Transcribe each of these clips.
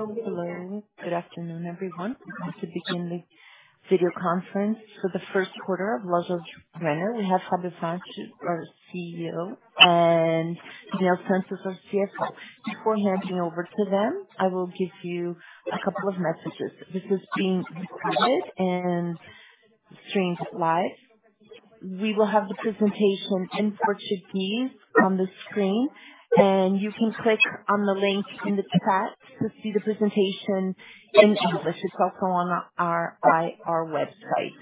Hello. Good afternoon, everyone. We're about to begin the video conference for the first quarter of Lojas Renner. We have Fabio Faccio, our CEO, and Daniel dos Santos, our CFO. Before handing over to them, I will give you a couple of messages. This is being recorded and streamed live. We will have the presentation in Portuguese on the screen, and you can click on the link in the chat to see the presentation in English. It's also on our IR website.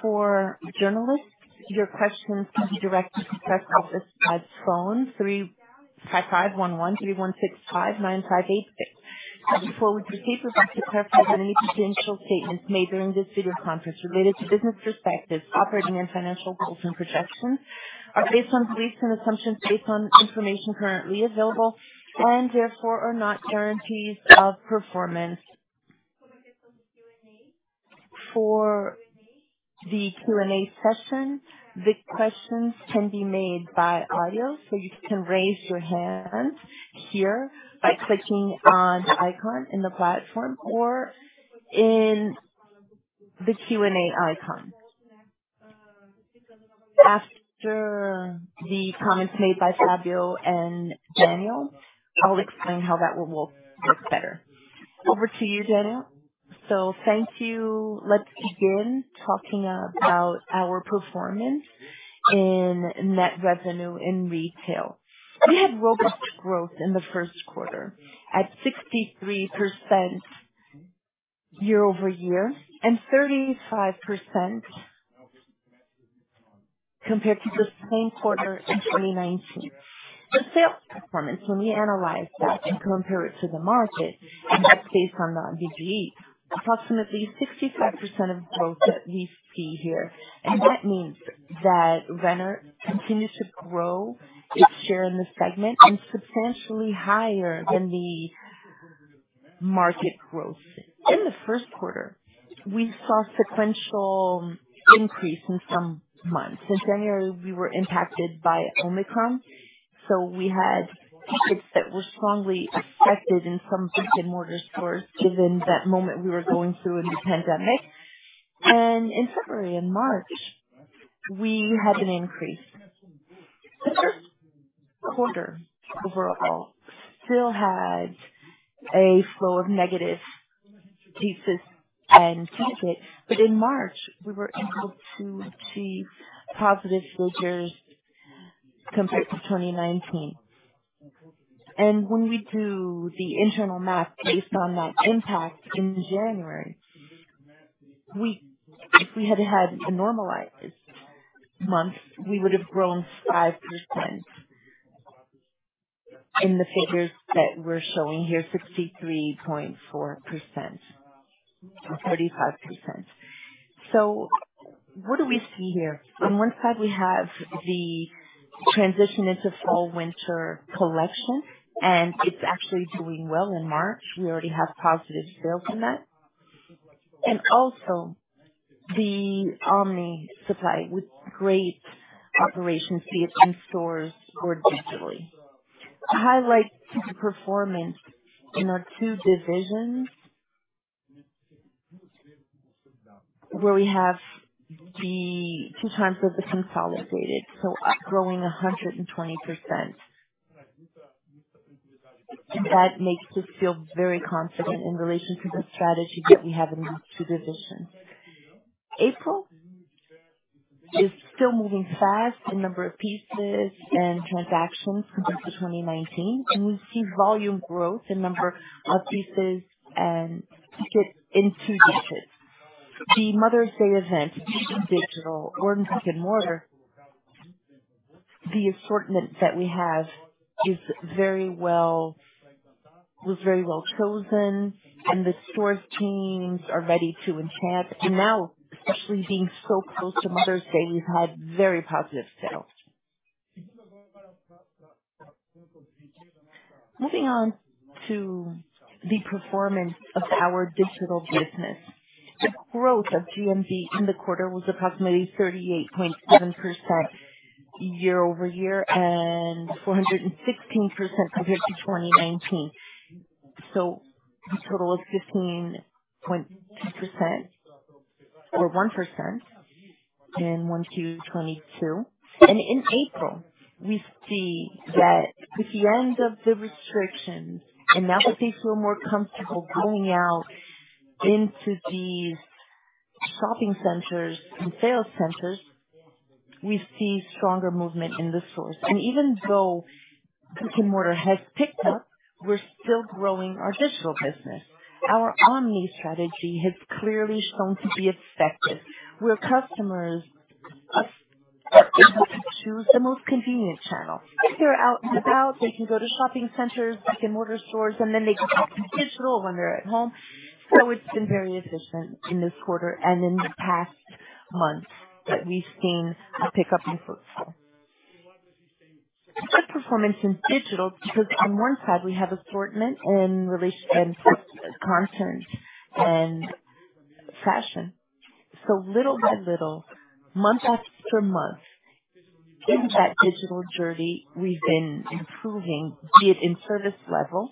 For journalists, your questions can be directed to press office by phone, 3551-1316-59586. Before we proceed, we would like to clarify that any potential statements made during this video conference related to business perspectives, operating and financial goals and projections are based on beliefs and assumptions based on information currently available and therefore are not guarantees of performance. For the Q&A session, the questions can be made by audio, so you can raise your hand here by clicking on the icon in the platform or in the Q&A icon. After the comments made by Fabio and Daniel, I'll explain how that will work better. Over to you, Daniel. Thank you. Let's begin talking about our performance in net revenue in retail. We had robust growth in the first quarter at 63% year-over-year and 35% compared to the same quarter in 2019. The sales performance, when we analyze that and compare it to the market, and that's based on the B2C, approximately 65% of growth that we see here. That means that Renner continues to grow its share in the segment and substantially higher than the market growth. In the first quarter, we saw sequential increase in some months. In January, we were impacted by Omicron, so we had tickets that were strongly affected, and some brick-and-mortar stores, given that moment we were going through in the pandemic. In February and March, we had an increase. The first quarter overall still had a flow of negative pieces and ticket, but in March, we were able to see positive figures compared to 2019. When we do the internal math based on that impact in January, if we had a normalized month, we would have grown 5%. In the figures that we're showing here, 63.4% and 35%. What do we see here? On one side, we have the transition into fall/winter collection, and it's actually doing well in March. We already have positive sales in that. Also the omni supply with great operations, be it in stores or digitally. A highlight to the performance in our two divisions, where we have the two times of the consolidated, so growing 120%. That makes us feel very confident in relation to the strategy that we have in these two divisions. April is still moving fast in number of pieces and transactions compared to 2019. We see volume growth in number of pieces and ticket in two digits. The Mother's Day event, digital or in brick-and-mortar, the assortment that we have is very well chosen, and the stores' teams are ready to enchant. Now, especially being so close to Mother's Day, we've had very positive sales. Moving on to the performance of our digital business. The growth of GMV in the quarter was approximately 38.7% year-over-year and 416% compared to 2019. A total of 15.2% or 1% in 1Q 2022. In April, we see that with the end of the restrictions and now people feel more comfortable going out into these shopping centers and sales centers, we see stronger movement in the stores. Even though brick-and-mortar has picked up, we're still growing our digital business. Our omni strategy has clearly shown to be effective, where customers are able to choose the most convenient channel. If they're out and about, they can go to shopping centers, brick-and-mortar stores, and then they can shop digital when they're at home. It's been very efficient in this quarter and in the past month that we've seen a pickup in footfall. A good performance in digital because on one side, we have assortment in relation and content and fashion. Little by little, month after month. In that digital journey, we've been improving, be it in service level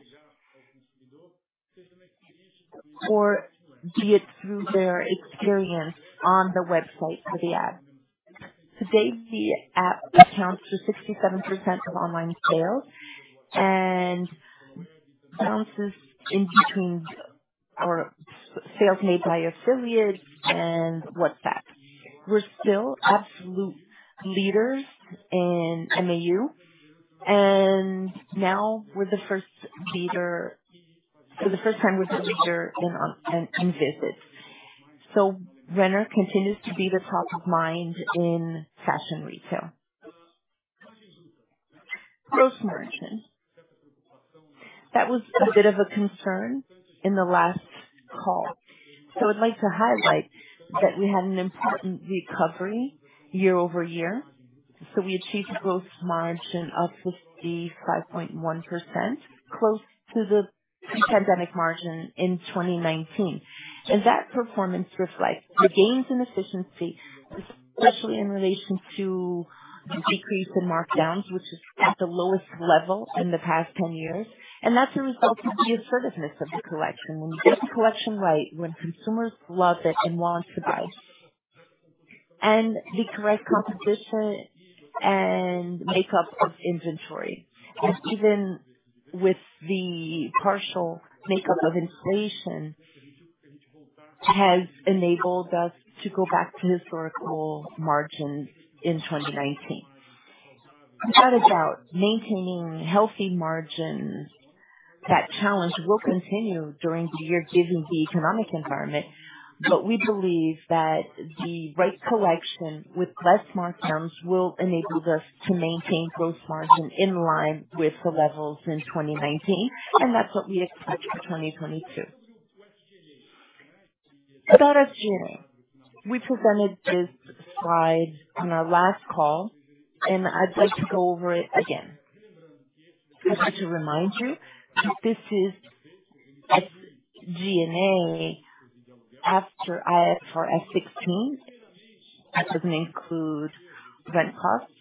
or be it through their experience on the website or the app. Today, the app accounts for 67% of online sales and balances in between our sales made by affiliates and website. We're still absolute leaders in MAU, and now we're the first leader. For the first time, we're the leader in visits. Renner continues to be the top of mind in fashion retail. Gross margin. That was a bit of a concern in the last call. I'd like to highlight that we had an important recovery year-over-year. We achieved a gross margin of 55.1%, close to the pre-pandemic margin in 2019. That performance reflects the gains in efficiency, especially in relation to decrease in markdowns, which is at the lowest level in the past ten years. That's a result of the assertiveness of the collection. When you get the collection right, when consumers love it and want to buy, and the correct composition and makeup of inventory, and even with the partial makeup of inflation, has enabled us to go back to historical margins in 2019. Without a doubt, maintaining healthy margins, that challenge will continue during the year given the economic environment. We believe that the right collection with less markdowns will enable us to maintain gross margin in line with the levels in 2019, and that's what we expect for 2022. Data share. We presented this slide on our last call, and I'd like to go over it again. I'd like to remind you that this is SG&A after for IFRS 16. That doesn't include rent costs.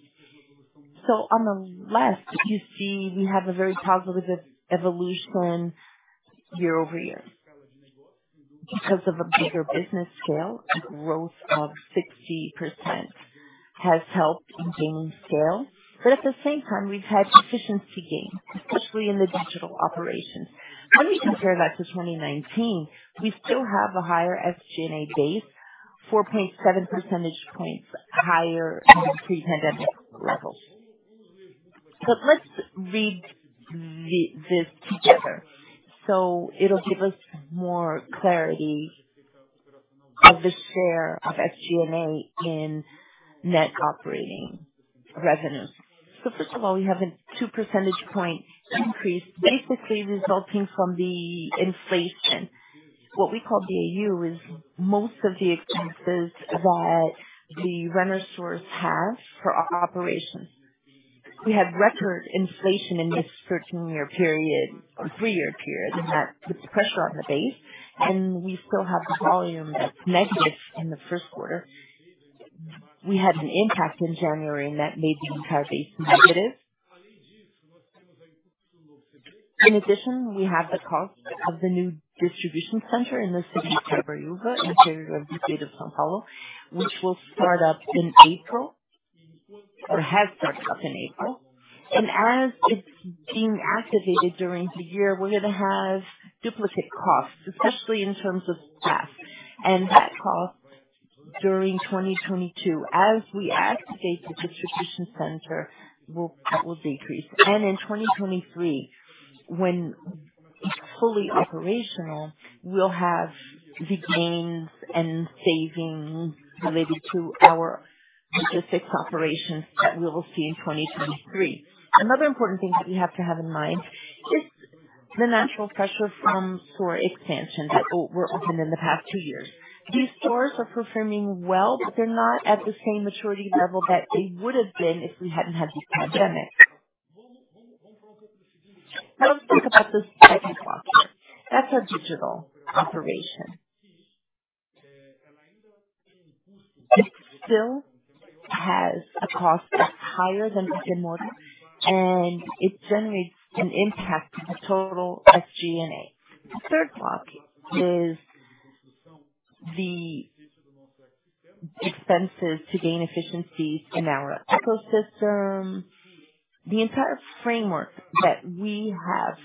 On the left, you see we have a very positive evolution year-over-year. Because of a bigger business scale, a growth of 60% has helped in gaining scale. At the same time we've had efficiency gains, especially in the digital operations. When we compare that to 2019, we still have a higher SG&A base, 4.7 percentage points higher than pre-pandemic levels. Let's read this together, so it'll give us more clarity of the share of SG&A in net operating revenue. First of all, we have a 2 percentage point increase, basically resulting from the inflation. What we call BAU is most of the expenses that the Renner stores have for operations. We had record inflation in this 13-year period or three-year period, and that puts pressure on the base, and we still have volume that's negative in the first quarter. We had an impact in January, and that made the entire base negative. In addition, we have the cost of the new distribution center in the city of Taubaté, interior of the state of São Paulo, which will start up in April, or has started up in April. As it's being activated during the year, we're gonna have duplicate costs, especially in terms of staff. That cost during 2022, as we activate the distribution center, will decrease. In 2023, when it's fully operational, we'll have the gains and savings related to our logistics operations that we will see in 2023. Another important thing that we have to have in mind is the natural pressure from store expansion that were opened in the past two years. These stores are performing well, but they're not at the same maturity level that they would have been if we hadn't had the pandemic. Now, let's talk about the second block. That's our digital operation. It still has a cost that's higher than we can model, and it generates an impact to the total SG&A. The third block is the expenses to gain efficiencies in our ecosystem. The entire framework that we have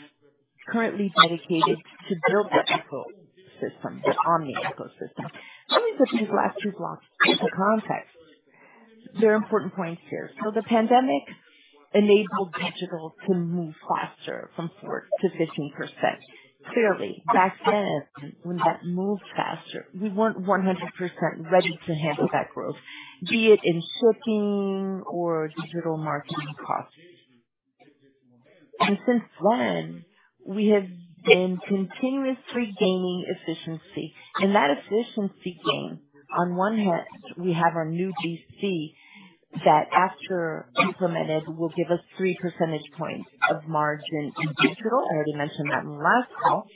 currently dedicated to build the ecosystem, the omni ecosystem. Let me put these last two blocks into context. There are important points here. The pandemic enabled digital to move faster from 4%-15%. Clearly, back then, when that moved faster, we weren't 100% ready to handle that growth, be it in shipping or digital marketing costs. Since then, we have been continuously gaining efficiency. That efficiency gain, on one hand, we have our new DC that, after implemented, will give us 3 percentage points of margin in digital. I already mentioned that in last call.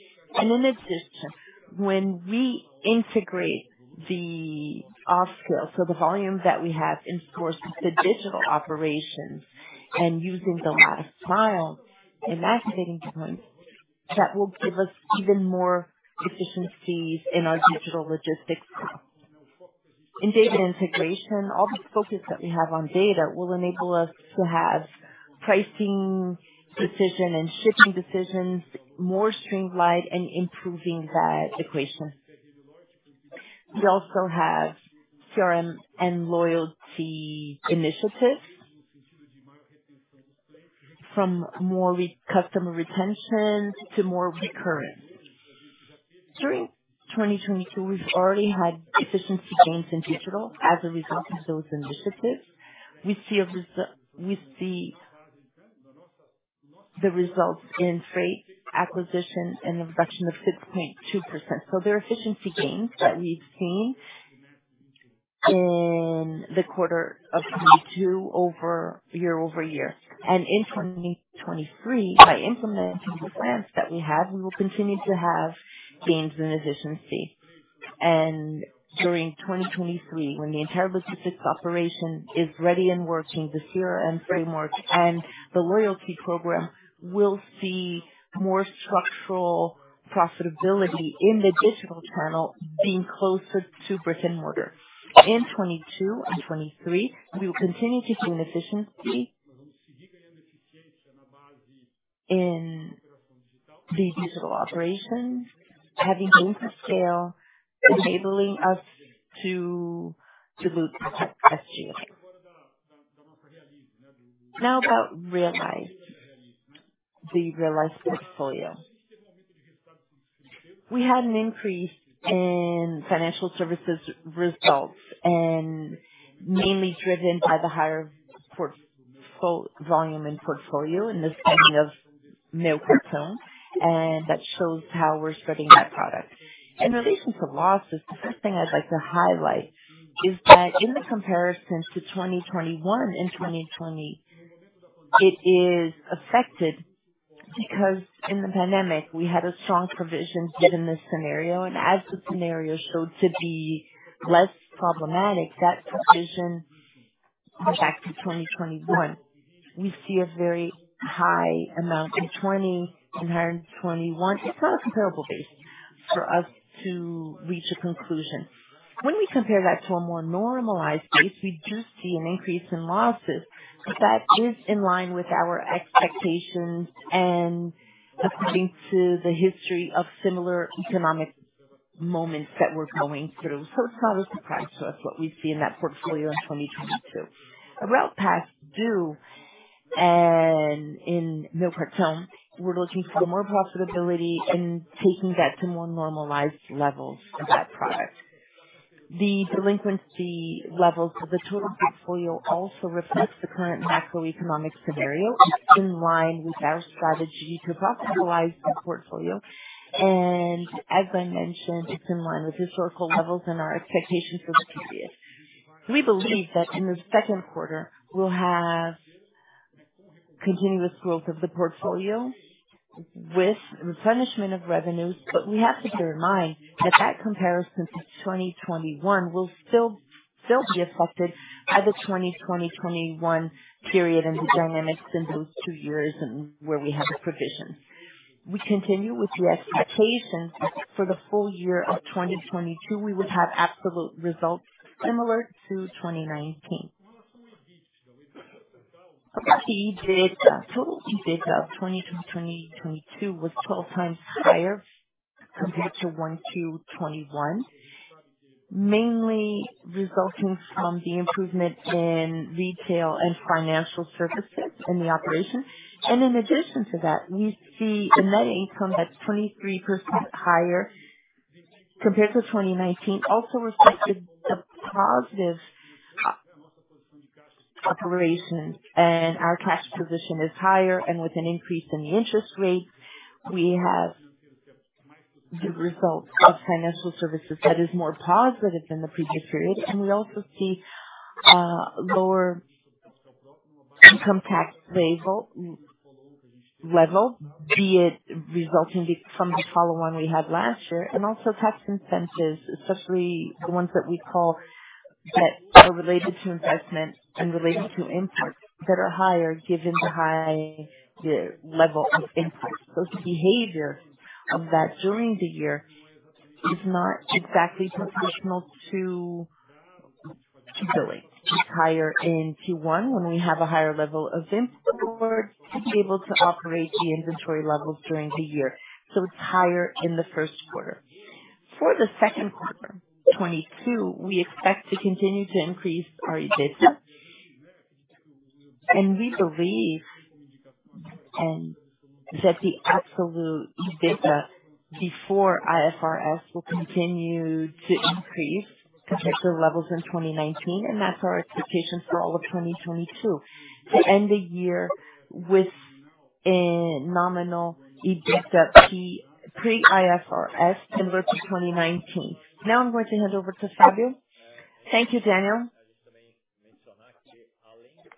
In addition, when we integrate the offline scale, the volume that we have in sourcing the digital operations and using the last mile and activating points will give us even more efficiencies in our digital logistics path. In data integration, all the focus that we have on data will enable us to have pricing decision and shipping decisions more streamlined and improving that equation. We also have CRM and loyalty initiatives from more customer retention to more recurrence. During 2022, we've already had efficiency gains in digital as a result of those initiatives. We see the results in freight acquisition and a reduction of 6.2%. There are efficiency gains that we've seen in the quarter of 2022 year-over-year. In 2023, by implementing the plans that we have, we will continue to have gains in efficiency. During 2023, when the entire logistics operation is ready and working, the CRM framework and the loyalty program will see more structural profitability in the digital channel being closer to brick-and-mortar. In 2022 and 2023, we will continue to see an efficiency in the digital operations, having gains of scale, enabling us to move as had last year. Now, about Realize, the Realize portfolio. We had an increase in financial services results, mainly driven by the higher portfolio volume and portfolio in the spending of Meu Cartão, and that shows how we're spreading that product. In relation to losses, the first thing I'd like to highlight is that in the comparison to 2021 and 2020, it is affected because in the pandemic we had a strong provision given the scenario, and as the scenario showed to be less problematic, that provision went back to 2021. We see a very high amount in 2020 and higher in 2021. It's not a comparable base for us to reach a conclusion. When we compare that to a more normalized base, we do see an increase in losses, but that is in line with our expectations and according to the history of similar economic moments that we're going through. It's not a surprise to us what we see in that portfolio in 2022. Around Repassa and in Meu Cartão, we're looking for more profitability and taking that to more normalized levels of that product. The delinquency levels of the total portfolio also reflects the current macroeconomic scenario. It's in line with our strategy to profitabilize the portfolio. As I mentioned, it's in line with historical levels and our expectations for the period. We believe that in the second quarter we'll have continuous growth of the portfolio with replenishment of revenues. We have to bear in mind that that comparison to 2021 will still be affected by the 2020-2021 period and the dynamics in those two years and where we had the provision. We continue with the expectation for the full year of 2022. We would have absolute results similar to 2019. EBITDA, total EBITDA of 2Q 2022 was 12 times higher compared to 1Q 2021, mainly resulting from the improvement in retail and financial services in the operation. In addition to that, we see a net income that's 23% higher compared to 2019, also reflecting the positive operation. Our cash position is higher and with an increase in the interest rate, we have the results of financial services that is more positive than the previous period. We also see lower income tax liability level, be it resulting from the follow-on we had last year and also tax incentives, especially the ones that we call that are related to investment and related to imports that are higher given the high level of imports. The behavior of that during the year is not exactly proportional to the sales. It's higher in Q1 when we have a higher level of imports to be able to operate the inventory levels during the year. It's higher in the first quarter. For the second quarter 2022, we expect to continue to increase our EBITDA. We believe that the absolute EBITDA pre-IFRS will continue to increase compared to the levels in 2019. That's our expectation for all of 2022, to end the year with a nominal EBITDA pre-IFRS similar to 2019. Now I'm going to hand over to Fabio. Thank you, Daniel.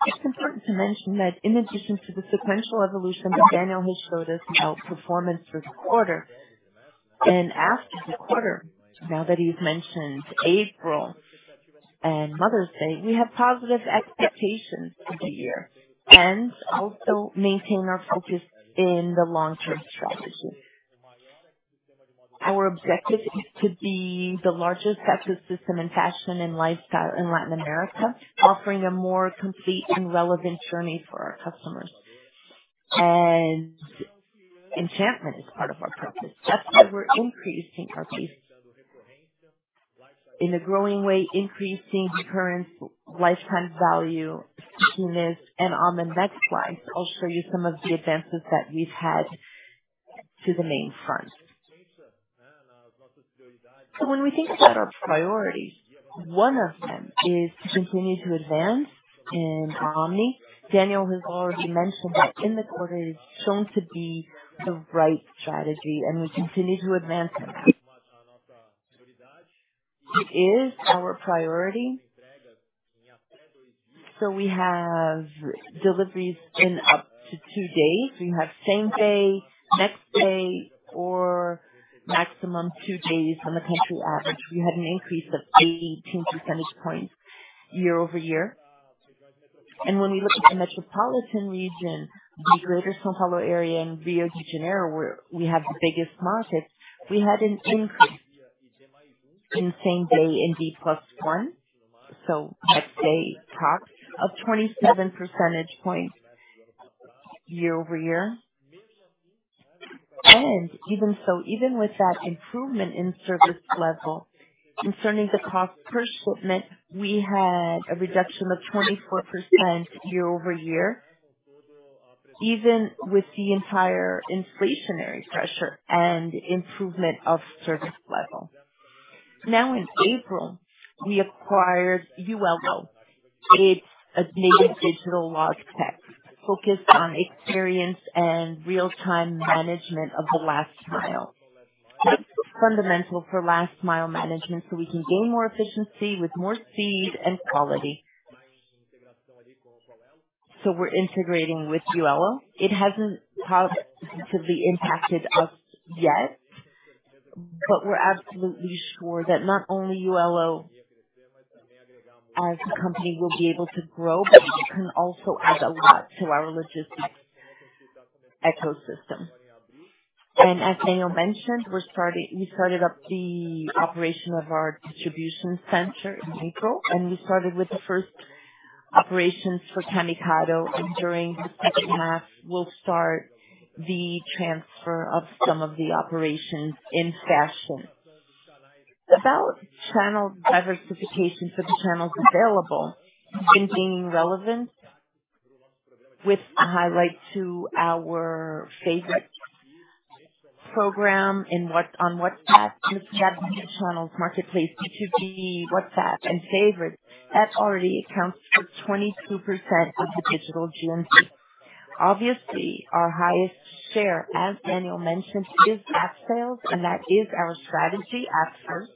It's important to mention that in addition to the sequential evolution that Daniel has showed us, our performance for the quarter and after the quarter, now that he's mentioned April and Mother's Day, we have positive expectations for the year and also maintain our focus in the long-term strategy. Our objective is to be the largest ecosystem in fashion and lifestyle in Latin America, offering a more complete and relevant journey for our customers. Enchantment is part of our purpose. That's why we're increasing our pace. In a growing way, increasing recurrence, lifetime value, stickiness. On the next slide, I'll show you some of the advances that we've had to the main front. When we think about our priorities, one of them is to continue to advance in omni. Daniel has already mentioned that in the quarter it's shown to be the right strategy and we continue to advance it. It is our priority. We have deliveries in up to two days. We have same day, next day or maximum two days on a country average. We had an increase of 18 percentage points year-over-year. When we look at the metropolitan region, the Greater São Paulo area and Rio de Janeiro, where we have the biggest markets, we had an increase in same day and D plus one, so next day products of 27 percentage points year-over-year. Even so, even with that improvement in service level concerning the cost per shipment, we had a reduction of 24% year-over-year, even with the entire inflationary pressure and improvement of service level. Now in April, we acquired Uello. It's a native digital logtech focused on experience and real-time management of the last mile. That's fundamental for last mile management, so we can gain more efficiency with more speed and quality. We're integrating with Uello. It hasn't positively impacted us yet, but we're absolutely sure that not only Uello as a company will be able to grow, but it can also add a lot to our logistics ecosystem. As Daniel mentioned, we started up the operation of our distribution center in April, and we started with the first operations for Camicado. During the second half, we'll start the transfer of some of the operations in fashion. About channel diversification for the channels available and gaining relevance with a highlight to our favorite program on WhatsApp with that new channels marketplace, B2B, WhatsApp and favorite. That already accounts for 22% of the digital GMV. Obviously, our highest share, as Daniel mentioned, is app sales and that is our strategy app first.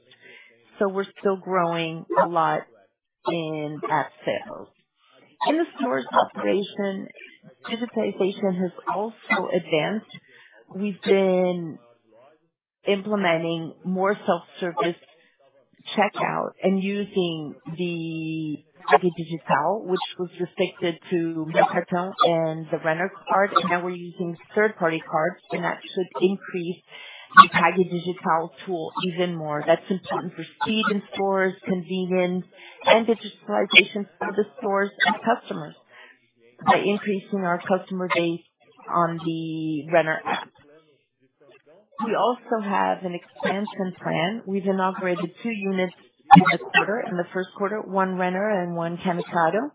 We're still growing a lot in app sales. In the stores operation, digitization has also advanced. We've been implementing more self-service checkout and using the Pague Digital, which was restricted to Cartão Renner and the Renner Card. Now we're using third-party cards and that should increase the Pague Digital tool even more. That's important for speed in stores, convenience and digitalization for the stores and customers by increasing our customer base on the Renner app. We also have an expansion plan. We've inaugurated two units in the quarter, in the first quarter, one Renner and one Camicado.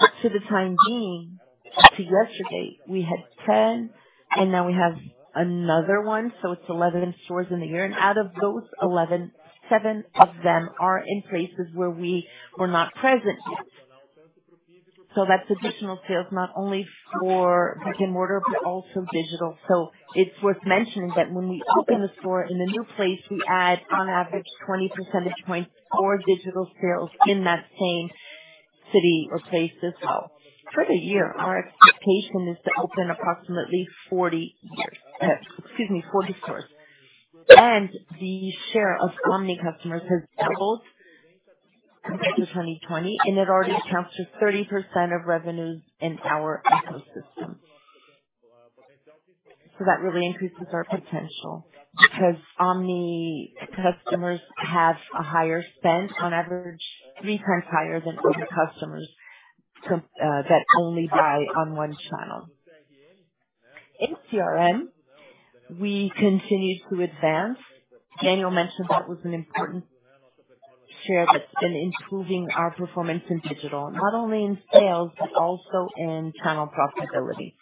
Up to the time being, to yesterday, we had 10 and now we have another one. It's 11 stores in the year. Out of those 11, 7 of them are in places where we were not present yet. That's additional sales, not only for click and mortar, but also digital. It's worth mentioning that when we open a store in a new place, we add on average 20 percentage points for digital sales in that same city or place as well. For the year, our expectation is to open approximately 40 stores. The share of omni customers has doubled compared to 2020, and it already accounts to 30% of revenues in our ecosystem. That really increases our potential because omni customers have a higher spend on average three times higher than other customers too, that only buy on one channel. In CRM, we continue to advance. Daniel mentioned that was an important share that's been improving our performance in digital, not only in sales but also in channel profitability.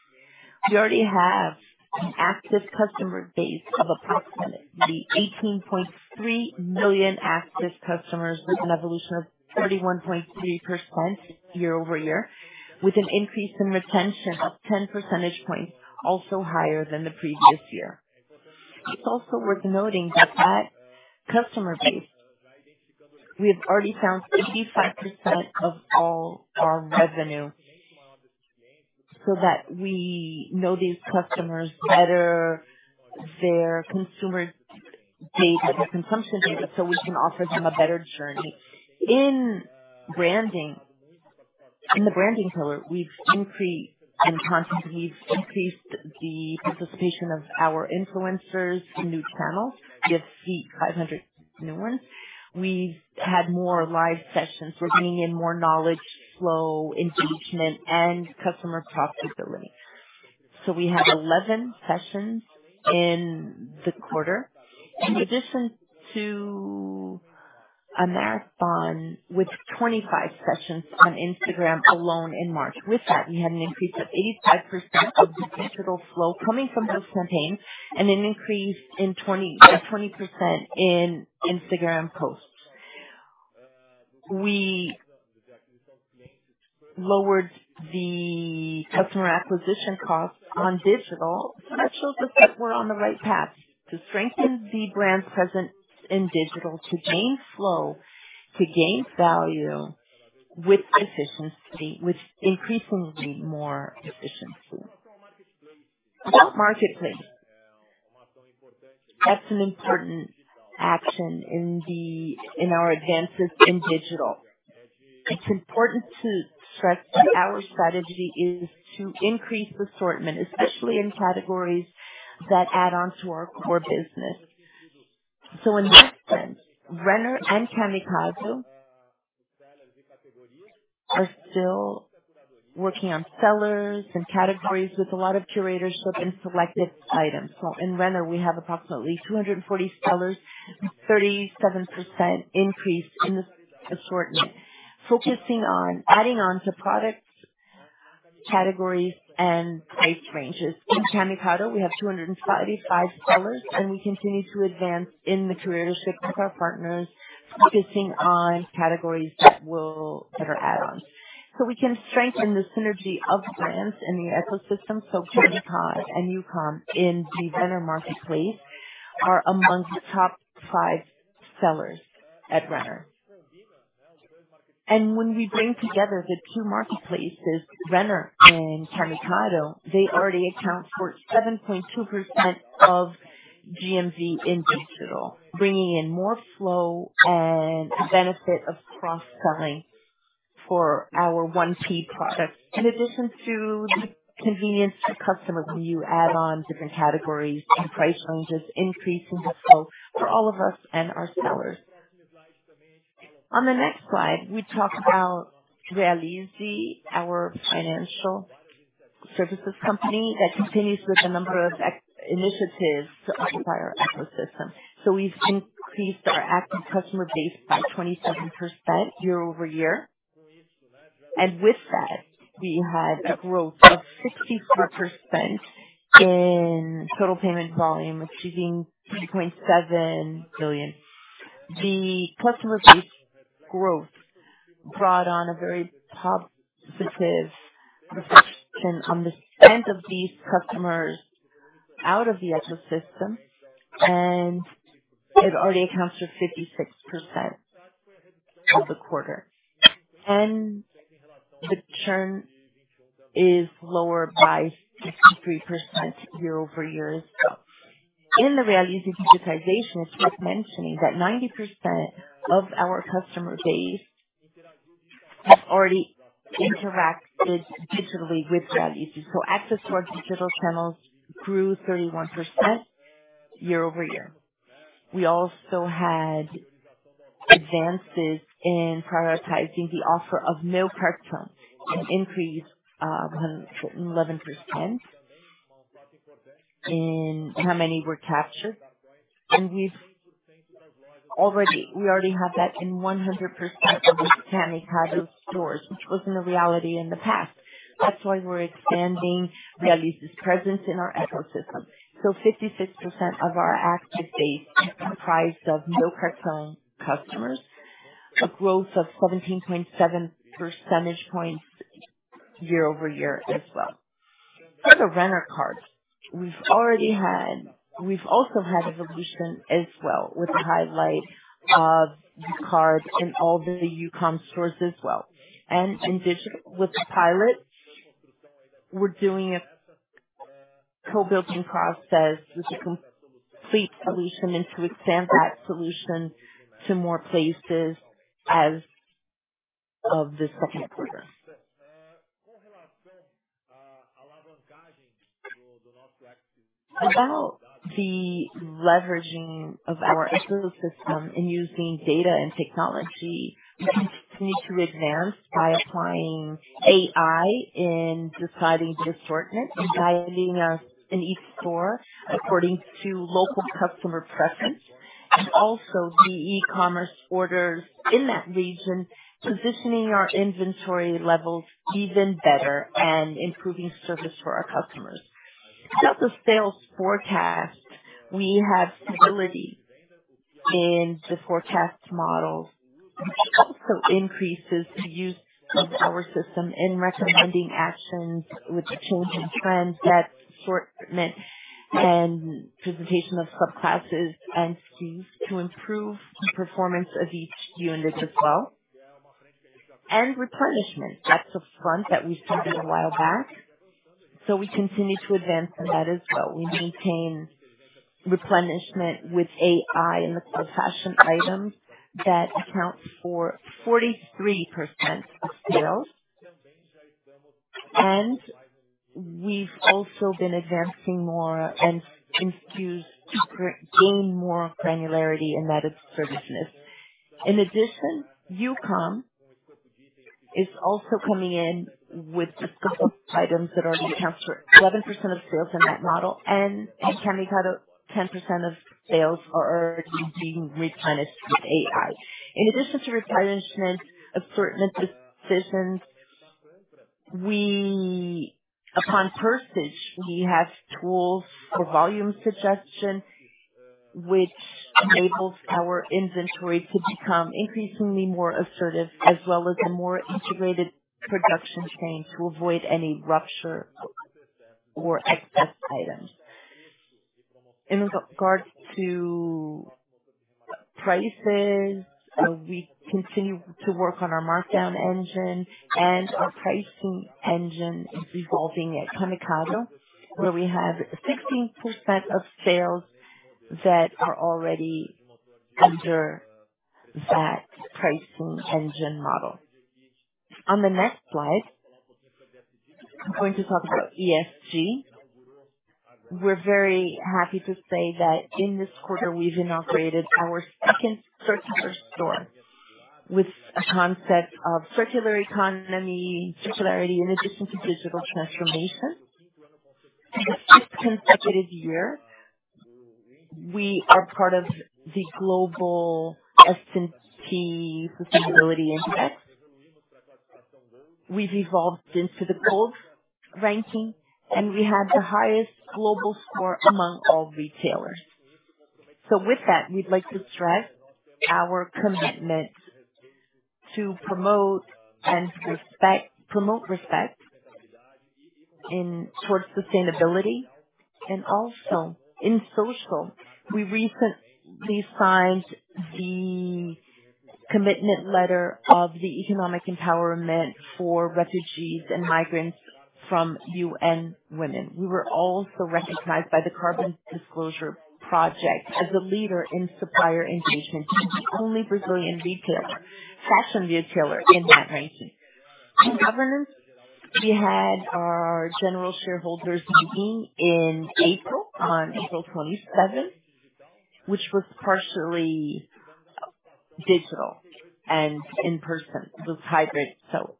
We already have an active customer base of approximately 18.3 million active customers, with an evolution of 31.3% year-over-year, with an increase in retention of 10 percentage points, also higher than the previous year. It's also worth noting that that customer base, we have already found 85% of all our revenue, so that we know these customers better, their consumer data, their consumption data, so we can offer them a better journey. In the branding pillar, we've increased in content. We've increased the participation of our influencers in new channels. You'll see 500 new ones. We've had more live sessions. We're bringing in more knowledge, flow, engagement, and customer profitability. We had 11 sessions in the quarter. In addition to a marathon with 25 sessions on Instagram alone in March. With that, we had an increase of 85% of the digital flow coming from this campaign and an increase in 20% in Instagram posts. We lowered the customer acquisition cost on digital, so that shows us that we're on the right path to strengthen the brand presence in digital, to gain flow, to gain value with efficiency, with increasingly more efficiency. About marketplace. That's an important action in our advances in digital. It's important to stress that our strategy is to increase assortment, especially in categories that add on to our core business. In that sense, Renner and Camicado are still working on sellers and categories with a lot of curatorship and selected items. In Renner, we have approximately 240 sellers, 37% increase in the assortment, focusing on adding on to products, categories, and price ranges. In Camicado, we have 245 sellers, and we continue to advance in the curatorship with our partners, focusing on categories that will better add on. We can strengthen the synergy of brands in the ecosystem. Taika and Youcom in the Renner marketplace are among the top five sellers at Renner. When we bring together the two marketplaces, Renner and Camicado, they already account for 7.2% of GMV in digital, bringing in more flow and the benefit of cross-selling for our 1P product, in addition to the convenience to customers, new add-ons, different categories, and price ranges, increasing the flow for all of us and our sellers. On the next slide, we talk about Realize, our financial services company that continues with a number of new initiatives to occupy our ecosystem. We've increased our active customer base by 27% year-over-year. With that, we had a growth of 63% in total payment volume, achieving 2.7 billion. The customer base growth brought on a very positive reflection on the spend of these customers out of the ecosystem, and it already accounts for 56% of the quarter. The churn is lower by 63% year-over-year as well. In the Realize digitization, it's worth mentioning that 90% of our customer base has already interacted digitally with Realize. Access to our digital channels grew 31% year-over-year. We also had advances in prioritizing the offer of non-card channel, an increase of 11% in how many were captured. We already have that in 100% of the Camicado stores, which wasn't a reality in the past. That's why we're expanding Realize presence in our ecosystem. 56% of our active base comprised of non-card channel customers, a growth of 17.7 percentage points year-over-year as well. For the Renner Card, we've already had... We've also had evolution as well with the highlight of the card in all the Youcom stores as well. In digital with the pilot, we're doing a co-building process with a complete solution and to expand that solution to more places as of the second quarter. About the leveraging of our ecosystem and using data and technology, we continue to advance by applying AI in deciding the assortment and guiding us in each store according to local customer preference and also the e-commerce orders in that region, positioning our inventory levels even better and improving service for our customers. About the sales forecast, we have stability in the forecast models. Also increases the use of our system in recommending actions with the changing trends, that assortment and presentation of subclasses and SKUs to improve the performance of each unit as well. Replenishment, that's a front that we started a while back, so we continue to advance on that as well. We maintain replenishment with AI in the fast fashion items that account for 43% of sales. We've also been advancing more and installs to CRM to gain more granularity in that service level. In addition, Uello is also coming in with a couple of items that already account for 11% of sales in that model, and in Camicado, 10% of sales are already being replenished with AI. In addition to replenishment, assortment decisions. Upon purchase, we have tools for volume suggestion, which enables our inventory to become increasingly more assertive, as well as a more integrated production chain to avoid any rupture or excess items. In regards to prices, we continue to work on our markdown engine, and our pricing engine is evolving at Camicado, where we have 16% of sales that are already under that pricing engine model. On the next slide, I'm going to talk about ESG. We're very happy to say that in this quarter we've inaugurated our second circular store with a concept of circular economy, circularity, in addition to digital transformation. For the sixth consecutive year, we are part of the Dow Jones Sustainability Index. We've evolved into the gold ranking, and we had the highest global score among all retailers. With that, we'd like to stress our commitment to promote respect towards sustainability. In social, we recently signed the commitment letter of the Economic Empowerment for Refugees and Migrants from UN Women. We were also recognized by the Carbon Disclosure Project as a leader in supplier engagement and the only Brazilian retailer, fashion retailer in that ranking. In governance, we had our general shareholders meeting in April, on April 27, which was partially digital and in person. It was hybrid, so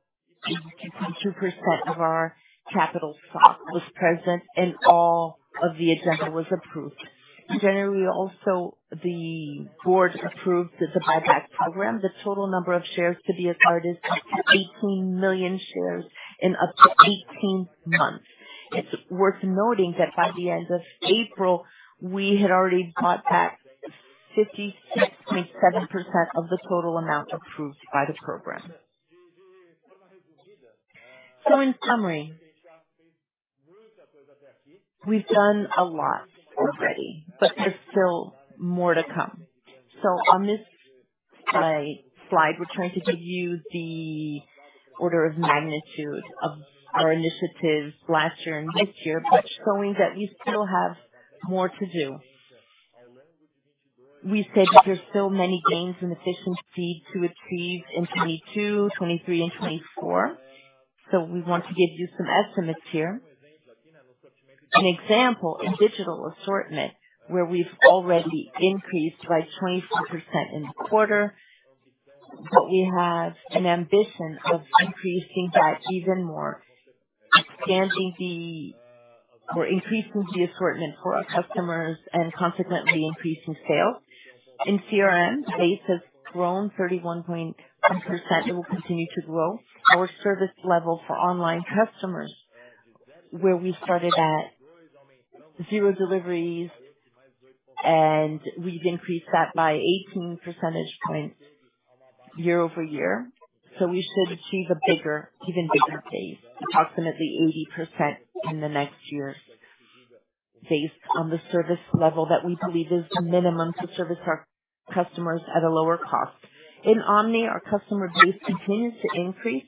22% of our capital stock was present, and all of the agenda was approved. In January also, the board approved the buyback program. The total number of shares to be acquired is 18 million shares in up to 18 months. It's worth noting that by the end of April, we had already bought back 56.7% of the total amount approved by the program. In summary, we've done a lot already, but there's still more to come. On this slide, we're trying to give you the order of magnitude of our initiatives last year and this year, but showing that we still have more to do. We said that there are still many gains in efficiency to achieve in 2022, 2023 and 2024. We want to give you some estimates here. An example, in digital assortment, where we've already increased by 24% in the quarter, but we have an ambition of increasing that even more, expanding or increasing the assortment for our customers and consequently increasing sales. In CRM, base has grown 31.1%. It will continue to grow. Our service level for online customers, where we started at zero deliveries and we've increased that by 18 percentage points year-over-year. We should achieve a bigger, even bigger pace, approximately 80% in the next year based on the service level that we believe is the minimum to service our customers at a lower cost. In Omni, our customer base continues to increase.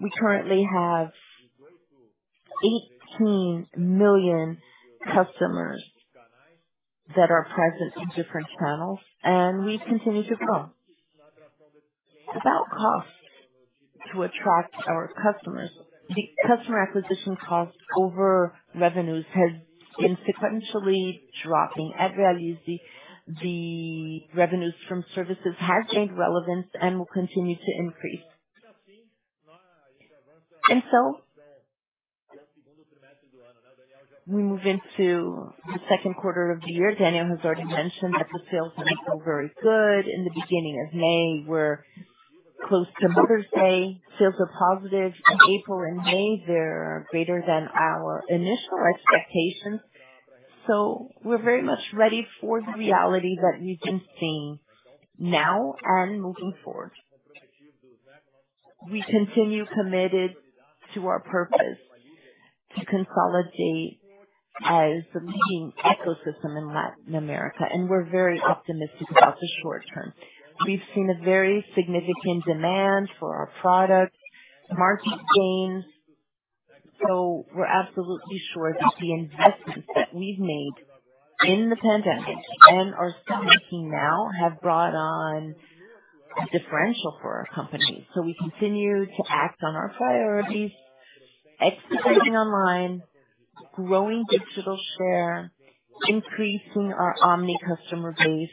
We currently have 18 million customers that are present in different channels, and we've continued to grow. About cost to attract our customers. The customer acquisition cost over revenues has been sequentially dropping. At Realize, the revenues from services have gained relevance and will continue to increase. We move into the second quarter of the year. Daniel has already mentioned that the sales are still very good. In the beginning of May, we're close to Mother's Day, sales are positive. April and May, they're greater than our initial expectations. We're very much ready for the reality that we've been seeing now and moving forward. We continue committed to our purpose to consolidate as the leading ecosystem in Latin America, and we're very optimistic about the short term. We've seen a very significant demand for our products, market gains. We're absolutely sure that the investments that we've made in the pandemic and are still making now have brought on a differential for our company. We continue to act on our priorities, executing online, growing digital share, increasing our omni customer base,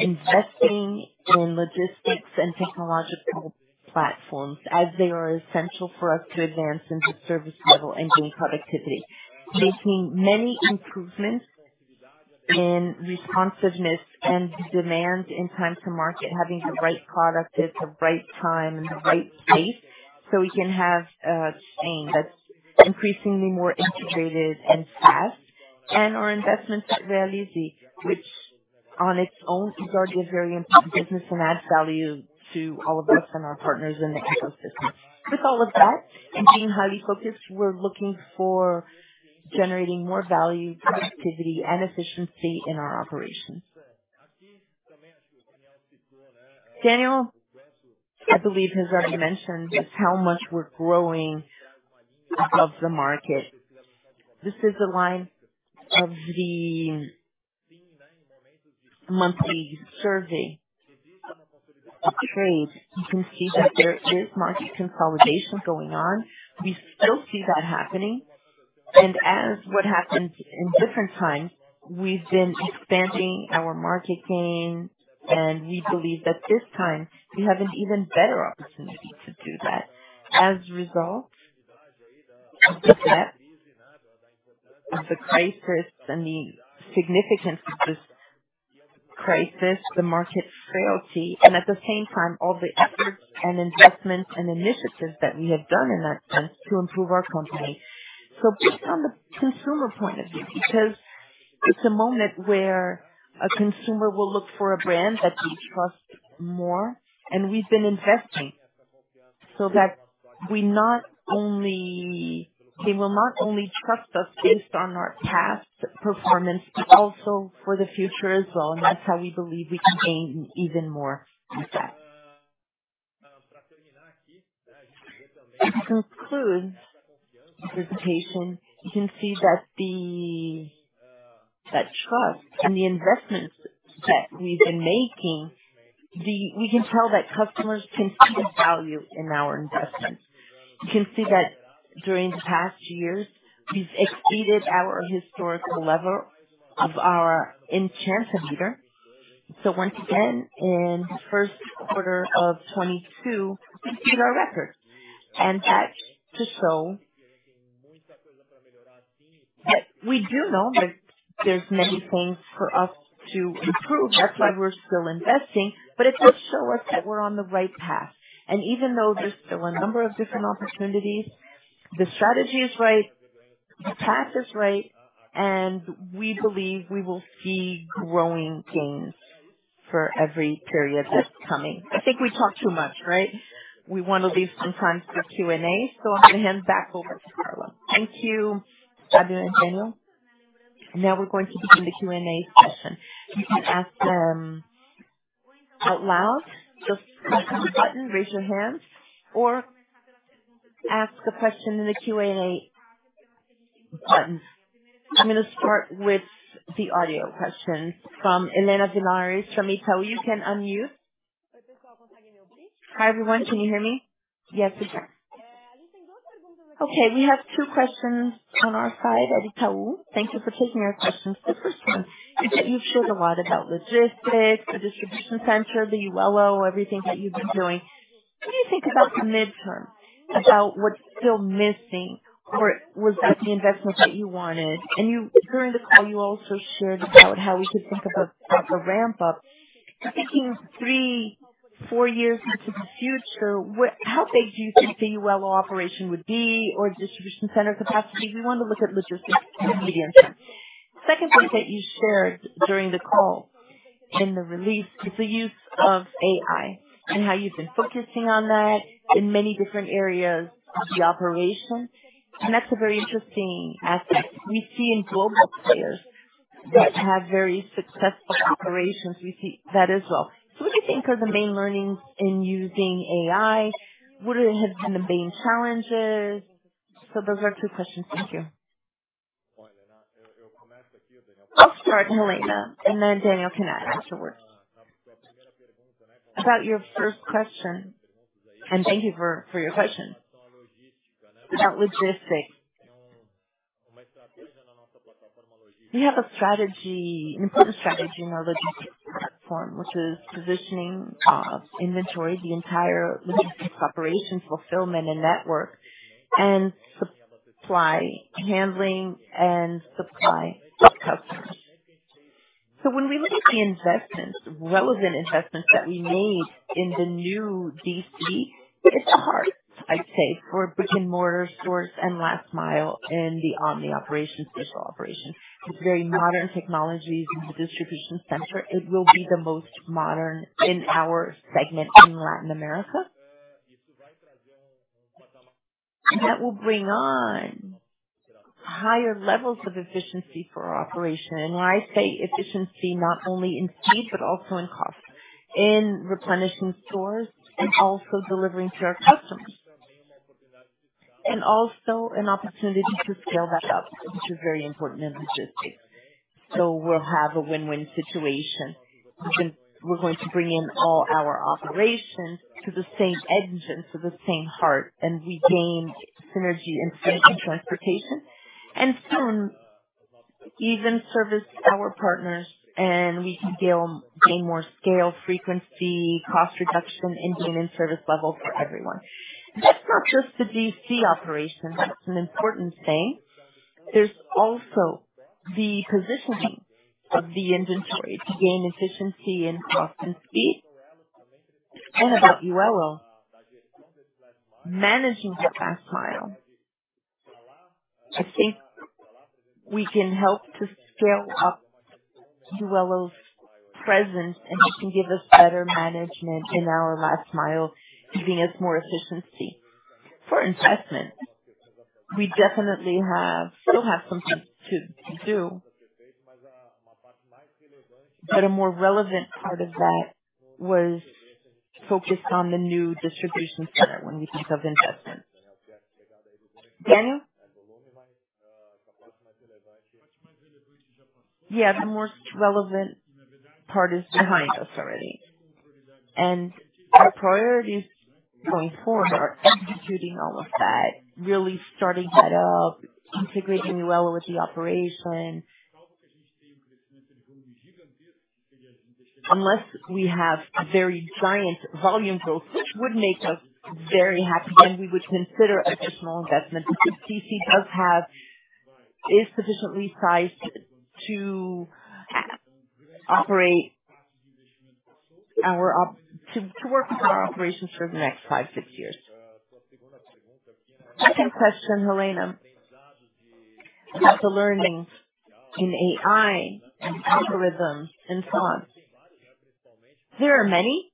investing in logistics and technological platforms as they are essential for us to advance in the service level and gain productivity. Making many improvements in responsiveness and demand in time to market. Having the right product at the right time in the right space, so we can have a chain that's increasingly more integrated and fast. Our investments at Realize, which on its own is already a very important business and adds value to all of us and our partners in the ecosystem. With all of that and being highly focused, we're looking for generating more value, productivity, and efficiency in our operations. Daniel, I believe, has already mentioned just how much we're growing above the market. This is a line of the IBGE Monthly Survey of Trade. You can see that there is market consolidation going on. We still see that happening. As what happens in different times, we've been expanding our market gain. We believe that this time we have an even better opportunity to do that. As a result of the debt, of the crisis and the significance of this crisis, the market frailty, and at the same time, all the efforts and investments and initiatives that we have done in that sense to improve our company. Based on the consumer point of view, because it's a moment where a consumer will look for a brand that they trust more, and we've been investing so that they will not only trust us based on our past performance, but also for the future as well. That's how we believe we can gain even more with that. To conclude the presentation, you can see that the trust and the investments that we've been making, we can tell that customers can see the value in our investments. You can see that during the past years, we've exceeded our historical level of our intent to lead. Once again, in first quarter of 2022, we beat our record. That's to show that we do know that there's many things for us to improve. That's why we're still investing. It does show us that we're on the right path. Even though there's still a number of different opportunities, the strategy is right, the path is right, and we believe we will see growing gains for every period that's coming. I think we talked too much, right? We want to leave some time for Q&A. I'll hand back over to Carla. Thank you, Fabio and Daniel. Now we're going to begin the Q&A session. You can ask them out loud. Just press the button, raise your hand or ask a question in the Q&A button. I'm gonna start with the audio questions from Helena Villares from Itaú. You can unmute. Hi, everyone. Can you hear me? Yes, we can. Okay. We have two questions on our side at Itaú. Thank you for taking our questions. The first one is that you've shared a lot about logistics, the distribution center, the Uello, everything that you've been doing. What do you think about the midterm, about what's still missing or was that the investments that you wanted? During the call, you also shared about how we could think about the ramp up. Thinking three, four years into the future, how big do you think the Uello operation would be or distribution center capacity? We want to look at logistics in the midterm. Second thing that you shared during the call in the release is the use of AI and how you've been focusing on that in many different areas of the operation, and that's a very interesting aspect. We see in global players that have very successful operations. We see that as well. What do you think are the main learnings in using AI? What have been the main challenges? Those are two questions. Thank you. I'll start, Helena, and then Daniel can add afterwards. About your first question, and thank you for your question. About logistics. We have a strategy, an important strategy in our logistics platform, which is positioning, inventory, the entire logistics operation, fulfillment and network and supply handling and supply to customers. When we look at the investments, relevant investments that we made in the new DC, it's hard, I'd say, for brick-and-mortar stores and last mile and the omni operations, digital operations. It's very modern technologies in the distribution center. It will be the most modern in our segment in Latin America. That will bring on higher levels of efficiency for our operation. When I say efficiency, not only in speed but also in cost, in replenishing stores and also delivering to our customers. Also an opportunity to scale that up, which is very important in logistics. We'll have a win-win situation. We're going to bring in all our operations to the same engine, so the same heart, and we gain synergy in shipping, transportation and can even service our partners and we can deal, gain more scale, frequency, cost reduction and gain in service level for everyone. That's not just the DC operation. That's an important thing. There's also the positioning of the inventory to gain efficiency in cost and speed. About Uello, managing the last mile, I think we can help to scale up Uello's presence, and he can give us better management in our last mile, giving us more efficiency. For investment, we definitely still have some things to do. A more relevant part of that was focused on the new distribution center when we think of investment. Daniel? Yeah. The most relevant part is behind us already, and our priorities going forward are executing all of that, really starting that up, integrating well with the operation. Unless we have a very giant volume growth, which would make us very happy and we would consider additional investment. The DC is sufficiently priced to operate, to work with our operations for the next 5-6 years. Second question, Helena. The learnings in AI and algorithms, and so on. There are many.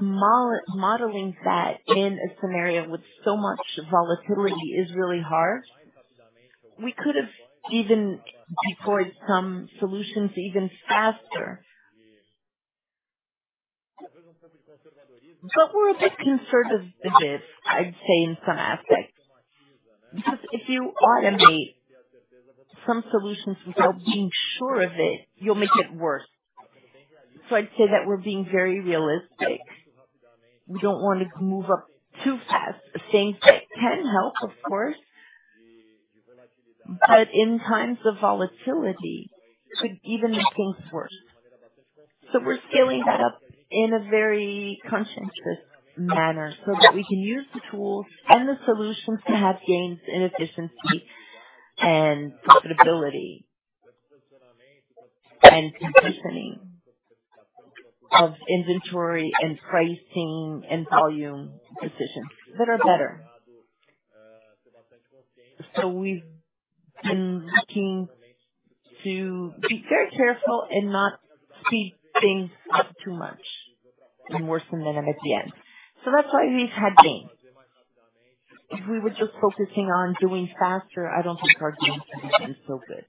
Just modeling that in a scenario with so much volatility is really hard. We could have even deployed some solutions even faster. We're a bit conservative, I'd say, in some aspects, because if you automate some solutions without being sure of it, you'll make it worse. I'd say that we're being very realistic. We don't want to move up too fast. Staying still can help, of course, but in times of volatility could even make things worse. We're scaling that up in a very conscientious manner so that we can use the tools and the solutions to have gains in efficiency and profitability and positioning of inventory and pricing and volume decisions that are better. We've been looking to be very careful and not speed things up too much and worsen the net at the end. That's why we've had gains. If we were just focusing on doing faster, I don't think our gains would have been so good.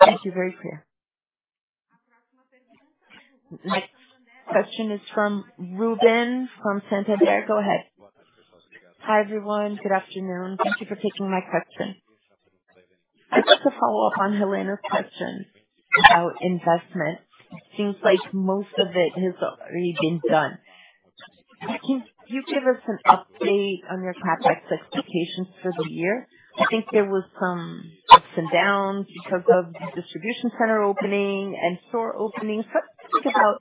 Thank you. Very clear. Next question is from Ruben from Santander. Go ahead. Hi, everyone. Good afternoon. Thank you for taking my question. I'd like to follow up on Helena's question about investment. It seems like most of it has already been done. Can you give us an update on your CapEx expectations for the year? I think there was some ups and downs because of the distribution center opening and store openings. How do you think about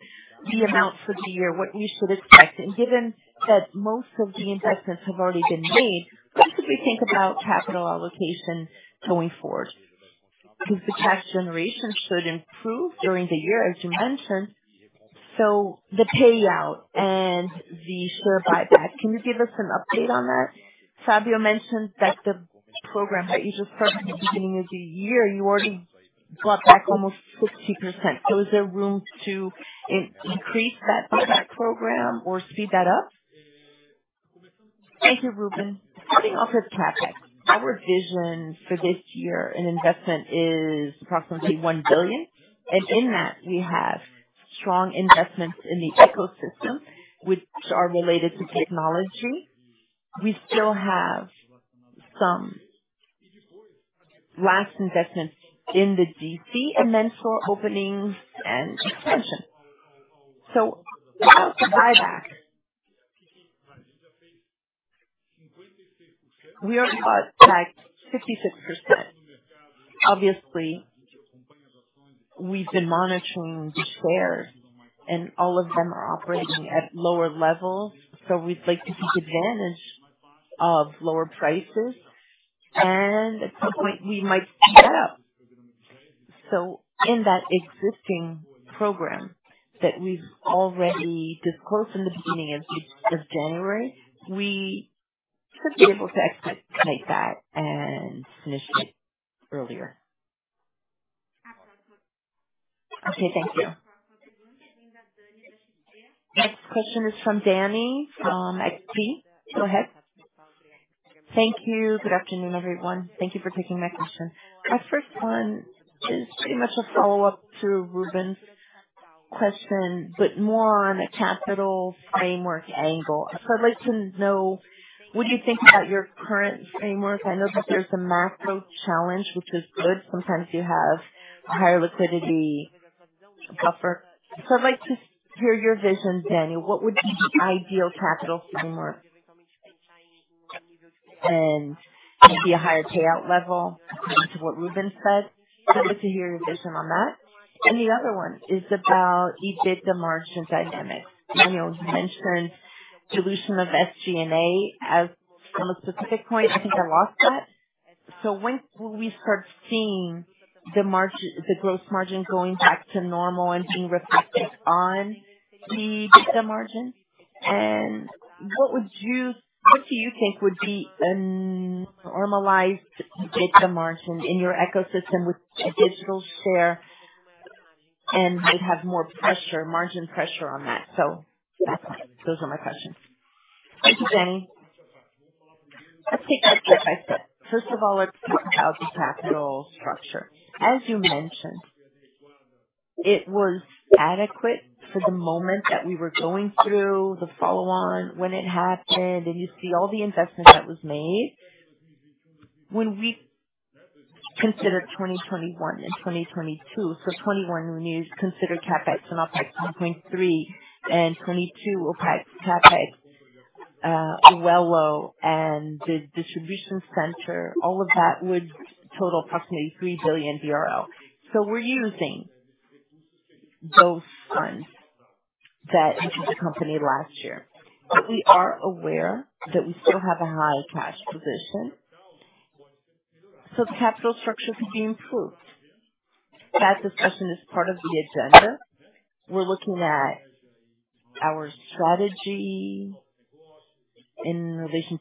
the amount for the year, what we should expect? Given that most of the investments have already been made, how should we think about capital allocation going forward? The cash generation should improve during the year, as you mentioned. The payout and the share buyback, can you give us an update on that? Fabio mentioned that the program that you just started at the beginning of the year, you already bought back almost 60%. Is there room to increase that buyback program or speed that up? Thank you, Ruben. Starting off with CapEx, our vision for this year in investment is approximately 1 billion. In that, we have strong investments in the ecosystem which are related to technology. We still have some last investments in the DC and then store openings and expansion. About the buyback. We already bought back 56%. Obviously. We've been monitoring the shares and all of them are operating at lower levels. We'd like to take advantage of lower prices and at some point we might speed up. In that existing program that we've already disclosed in the beginning of January, we should be able to execute that and initiate earlier. Okay, thank you. Next question is from Danniela Eiger from XP. Go ahead. Thank you. Good afternoon, everyone. Thank you for taking my question. My first one is pretty much a follow-up to Ruben's question, but more on a capital framework angle. I'd like to know, what do you think about your current framework? I know that there's a macro challenge, which is good. Sometimes you have higher liquidity buffer. I'd like to hear your vision, Daniel. What would be the ideal capital framework? Would be a higher payout level to what Ruben said. I'd like to hear your vision on that. The other one is about EBITDA margin dynamics. Daniel, you mentioned dilution of SG&A as one specific point. I think I lost that. When will we start seeing the margin, the gross margin going back to normal and being reflected on the EBITDA margin? What do you think would be a normalized EBITDA margin in your ecosystem with digital share? We'd have more pressure, margin pressure on that. That's all. Those are my questions. Thank you, Danniela. Let's take that step by step. First of all, let's talk about the capital structure. As you mentioned, it was adequate for the moment that we were going through the follow-on when it happened, and you see all the investment that was made. When we consider 2021 and 2022, 2021 we considered CapEx and OpEx 1.3 billion and 2022 OpEx, CapEx, Uello and the distribution center, all of that would total approximately 3 billion. We're using those funds that entered the company last year. We are aware that we still have a high cash position, so the capital structure could be improved. That discussion is part of the agenda. We're looking at our strategy in relation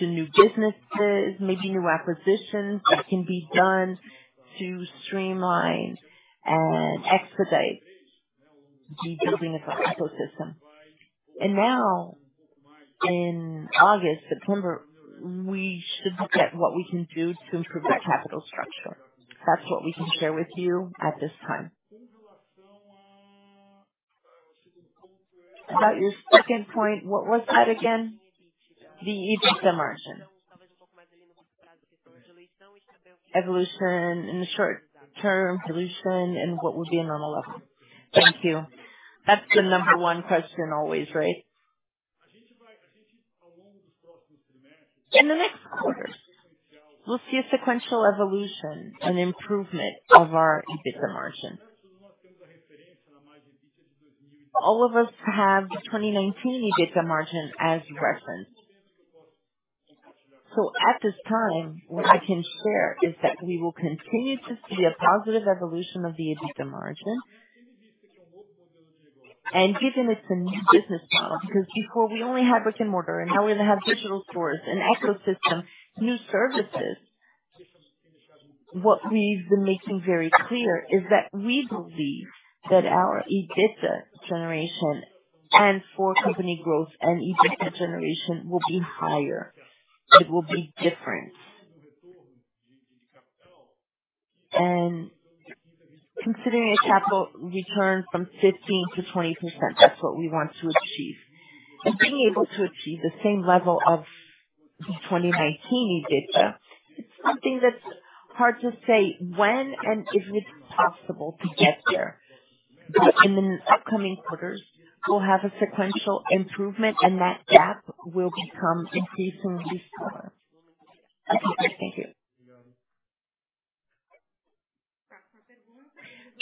to new businesses, maybe new acquisitions that can be done to streamline and expedite the building of our ecosystem. Now in August, September, we should look at what we can do to improve our capital structure. That's what we can share with you at this time. About your second point, what was that again? The EBITDA margin. Evolution in the short term, evolution and what would be a normal level. Thank you. That's the number one question always, right? In the next quarters we'll see a sequential evolution, an improvement of our EBITDA margin. All of us have the 2019 EBITDA margin as reference. At this time, what I can share is that we will continue to see a positive evolution of the EBITDA margin. Given it's a new business model, because before we only had brick-and-mortar and now we're going to have digital stores and ecosystem, new services. What we've been making very clear is that we believe that our EBITDA generation and for company growth and EBITDA generation will be higher. It will be different. Considering a capital return from 15%-20%, that's what we want to achieve. Being able to achieve the same level of the 2019 EBITDA is something that's hard to say when and if it's possible to get there. In the upcoming quarters we'll have a sequential improvement and that gap will become increasingly smaller. Okay. Thank you.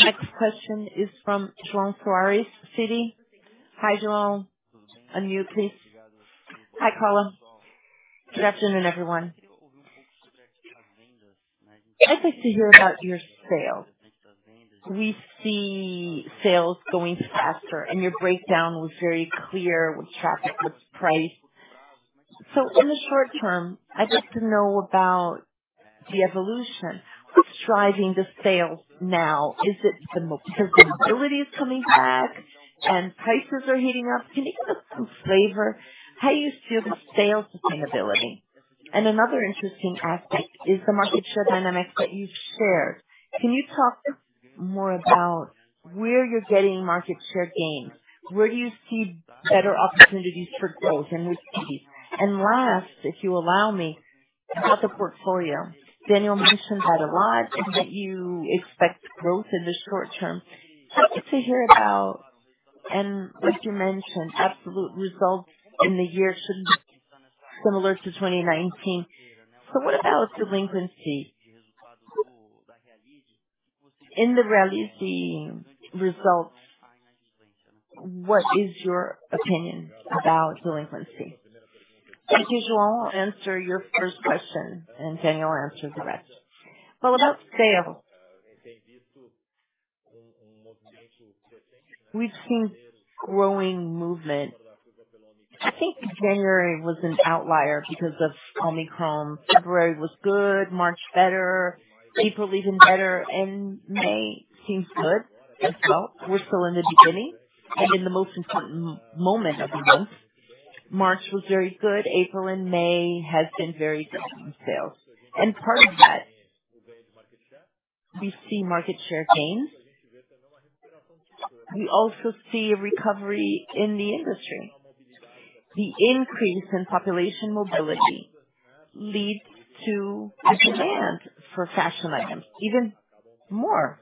Next question is from João Soares, Citi. Hi, João. Unmute, please. Hi, Carla. Good afternoon, everyone. I'd like to hear about your sales. We see sales going faster and your breakdown was very clear with traffic, with price. In the short term, I'd like to know about the evolution. What's driving the sales now? Is it the predictability is coming back and prices are heating up? Can you give us some flavor? How do you see the sales sustainability? Another interesting aspect is the market share dynamics that you've shared. Can you talk more about where you're getting market share gains? Where do you see better opportunities for growth and with speed? Last, if you allow me, about the portfolio. Daniel mentioned that a lot and that you expect growth in the short term. I'd like to hear about and like you mentioned, absolute results in the year shouldn't be similar to 2019. What about delinquency? In the Realize results, what is your opinion about delinquency? João will answer your first question and Daniel will answer the rest. Well, about sales. We've seen growing movement. I think January was an outlier because of Omicron. February was good, March better, April even better, and May seems good as well. We're still in the beginning and in the most important moment of the month. March was very good. April and May has been very good in sales. Part of that, we see market share gains. We also see a recovery in the industry. The increase in population mobility leads to a demand for fashion items, even more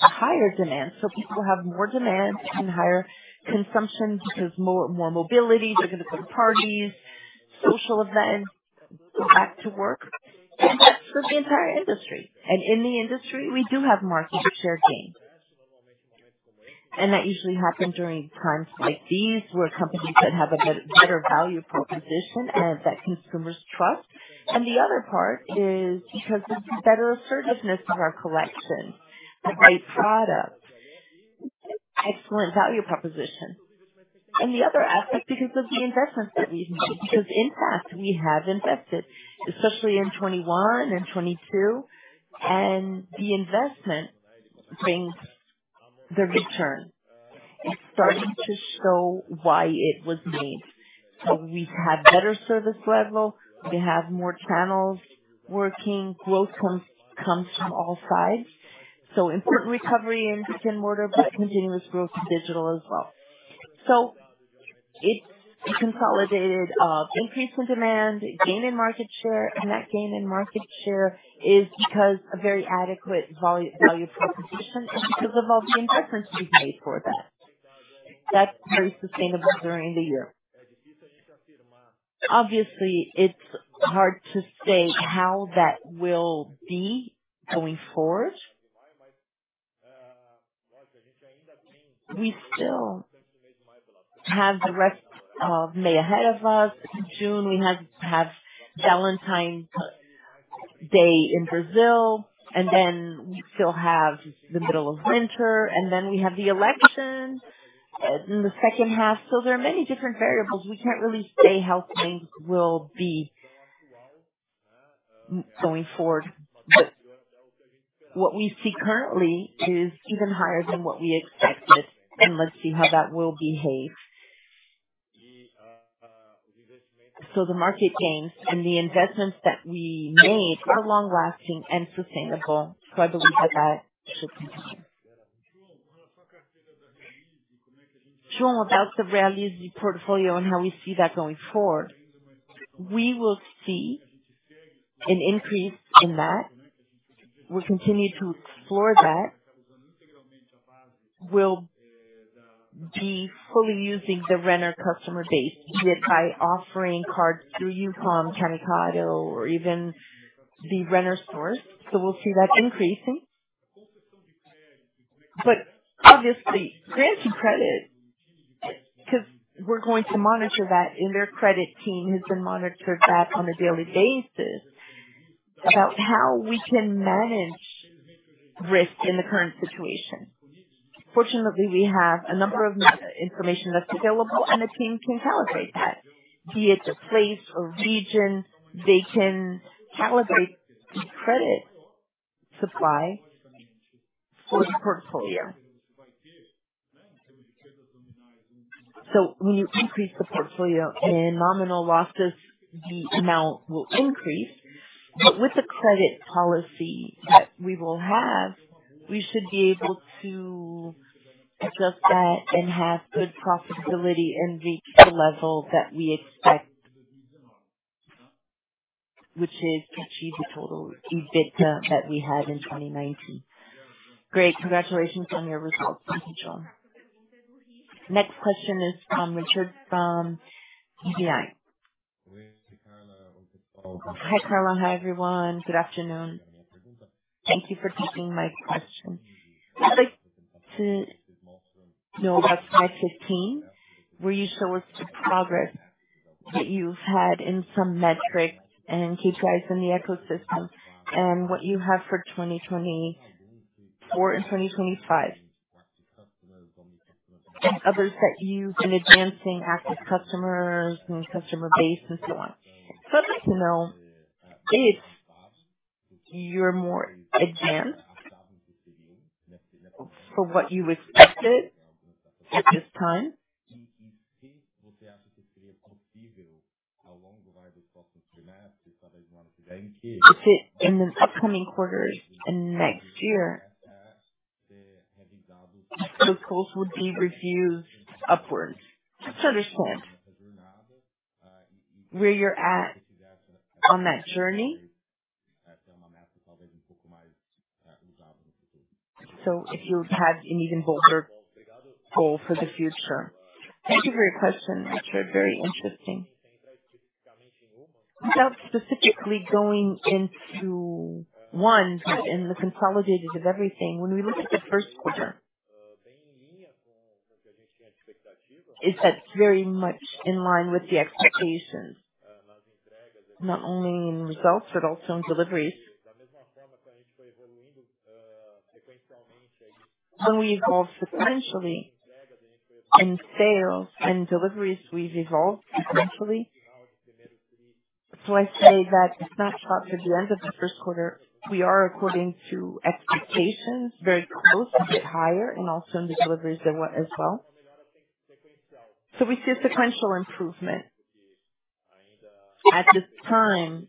higher demand. People have more demand and higher consumption because more mobility. They're gonna go to parties, social events, go back to work. That's with the entire industry. In the industry, we do have market share gains. That usually happens during times like these, where companies that have a better value proposition and that consumers trust. The other part is because of the better assertiveness of our collection, a great product, excellent value proposition. The other aspect, because of the investments that we've made. Because in fact, we have invested, especially in 2021 and 2022, and the investment brings the return. It's starting to show why it was made. We have better service level. We have more channels working. Growth comes from all sides. Important recovery in brick-and-mortar, but continuous growth in digital as well. It's a consolidated increase in demand, gain in market share, and that gain in market share is because a very adequate value proposition and because of all the investments we've made for that. That's very sustainable during the year. Obviously, it's hard to say how that will be going forward. We still have the rest of May ahead of us. June, we have Valentine's Day in Brazil, and then we still have the middle of winter, and then we have the election in the second half. There are many different variables. We can't really say how things will be going forward. What we see currently is even higher than what we expected, and let's see how that will behave. The market gains and the investments that we made are long-lasting and sustainable. I believe that that should continue. João, about the Realize portfolio and how we see that going forward. We will see an increase in that. We'll continue to explore that. We'll be fully using the Renner customer base, be it by offering cards through Youcom, Camicado, or even the Renner stores. We'll see that increasing. Obviously, granting credit, because we're going to monitor that, and their credit team has been monitoring that on a daily basis about how we can manage risk in the current situation. Fortunately, we have a number of information that's available and the team can calibrate that. Be it a place, a region, they can calibrate credit supply for the portfolio. When you increase the portfolio in nominal losses, the amount will increase. With the credit policy that we will have, we should be able to adjust that and have good profitability and reach the level that we expect. Which is to achieve the total EBITDA that we had in 2019. Great. Congratulations on your results. Thank you, João. Next question is from Richard from BBI. Hi, Carla. Hi, everyone. Good afternoon. Thank you for taking my question. I'd like to know about 5/25. Will you show us the progress that you've had in some metrics and KPIs in the ecosystem and what you have for 2024 and 2025? Others that you've been advancing, active customers, new customer base and so on. I'd like to know if you're more advanced for what you expected at this time. If it, in the upcoming quarters and next year, the goals will be reviewed upwards. Just understand where you're at on that journey. If you had an even bolder goal for the future. Thank you for your questions. Without specifically going into one in the consolidated of everything. When we look at the first quarter. It's very much in line with the expectations, not only in results but also in deliveries. When we evolve sequentially in sales and deliveries, we've evolved sequentially. I say that snapshot at the end of the first quarter, we are according to expectations, very close, a bit higher, and also in the deliveries as well. We see a sequential improvement. At this time,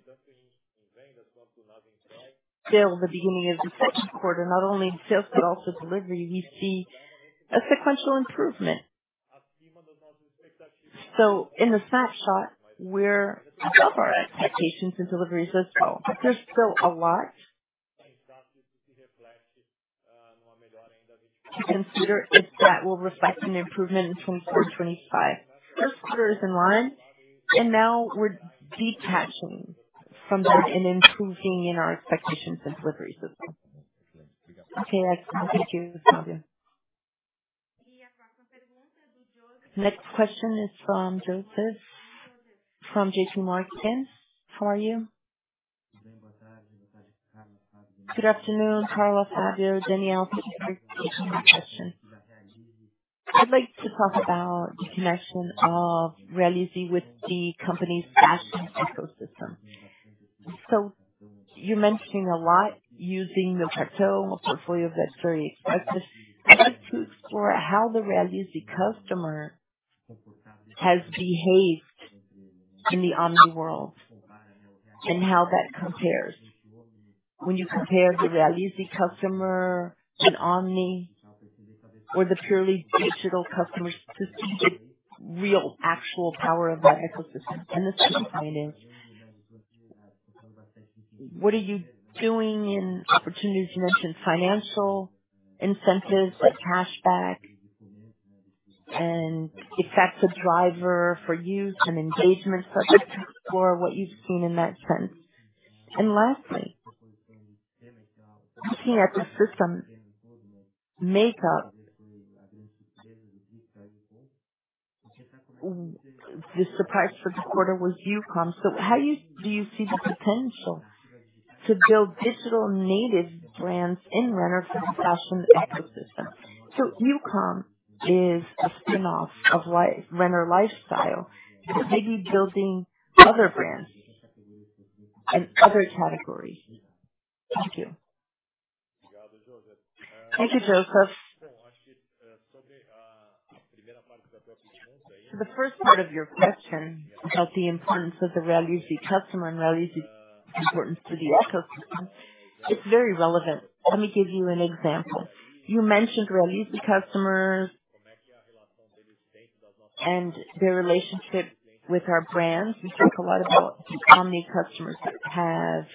still the beginning of the second quarter, not only in sales but also delivery, we see a sequential improvement. In the snapshot we're above our expectations in deliveries as well. There's still a lot to consider if that will reflect an improvement from 2025. First quarter is in line and now we're detaching from that and improving in our expectations and deliveries as well. Okay, that's all. Thank you, Fabio. Next question is from Joseph, from JPMorgan. How are you? Good afternoon, Carla, Fabio, Daniel. Thank you for taking my question. I'd like to talk about the connection of Realize with the company's fashion ecosystem. You're mentioning a lot using the Realize portfolio. That's very expressive. I'd like to explore how the Realize customer has behaved in the omni world and how that compares. When you compare the Realize customer in omni or the purely digital customer to see the real actual power of that ecosystem. The second point is, what are you doing in opportunities? You mentioned financial incentives like cashback and if that's a driver for you and engagement subject to what you've seen in that sense. Lastly, looking at the system makeup. The surprise for the quarter was Youcom. How do you see the potential to build digital native brands in Renner for the fashion ecosystem? Youcom is a spin-off of the Renner lifestyle. Maybe building other brands and other categories. Thank you. Thank you, Joseph. The first part of your question about the importance of the Realize customer and Realize importance to the ecosystem, it's very relevant. Let me give you an example. You mentioned Realize customers and their relationship with our brands. We talk a lot about how many customers have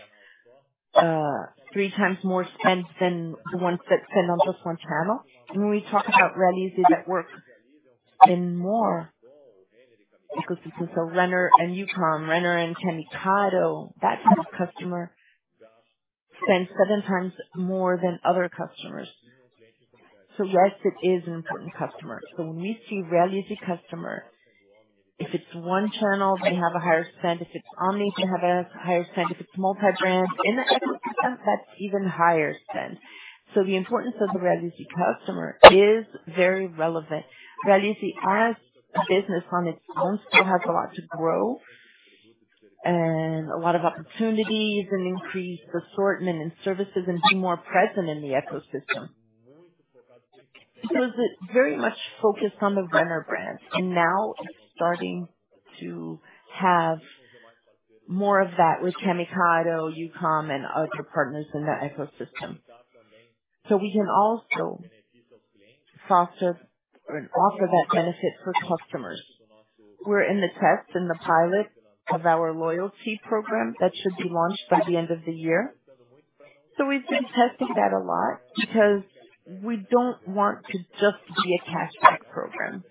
three times more spend than the ones that spend on just one channel. When we talk about Realize that work in more ecosystems of Renner and Youcom, Renner and Camicado, that type of customer spends seven times more than other customers. Yes, it is an important customer. When we see Realize customer, if it's one channel, they have a higher spend. If it's Omni, they have a higher spend. If it's multi-brand in the ecosystem, that's even higher spend. The importance of the Realize customer is very relevant. Realize as a business on its own still has a lot to grow and a lot of opportunities and increase assortment and services and be more present in the ecosystem. It is very much focused on the Renner brand and now it's starting to have more of that with Camicado, Youcom and other partners in that ecosystem. We can also foster and offer that benefit for customers. We're in the test and the pilot of our loyalty program that should be launched by the end of the year. We've been testing that a lot because we don't want to just be a cashback program.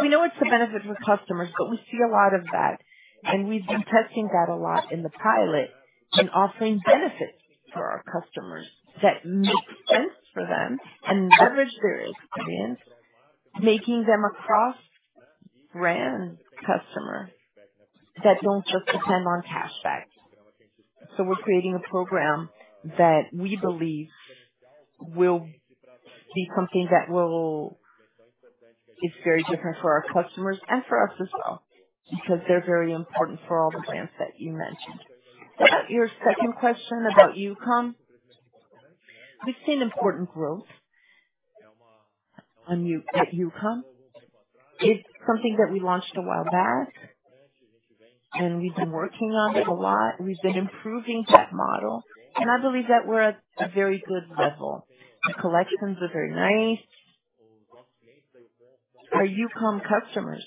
We know it's a benefit for customers, but we see a lot of that and we've been testing that a lot in the pilot and offering benefits for our customers that make sense for them and leverage their experience, making them a cross brand customer that don't just depend on cashback. We're creating a program that we believe will be something that is very different for our customers and for us as well, because they're very important for all the brands that you mentioned. About your second question about Youcom. We've seen important growth at Youcom. It's something that we launched a while back and we've been working on it a lot. We've been improving that model, and I believe that we're at a very good level. The collections are very nice. Our Youcom customers,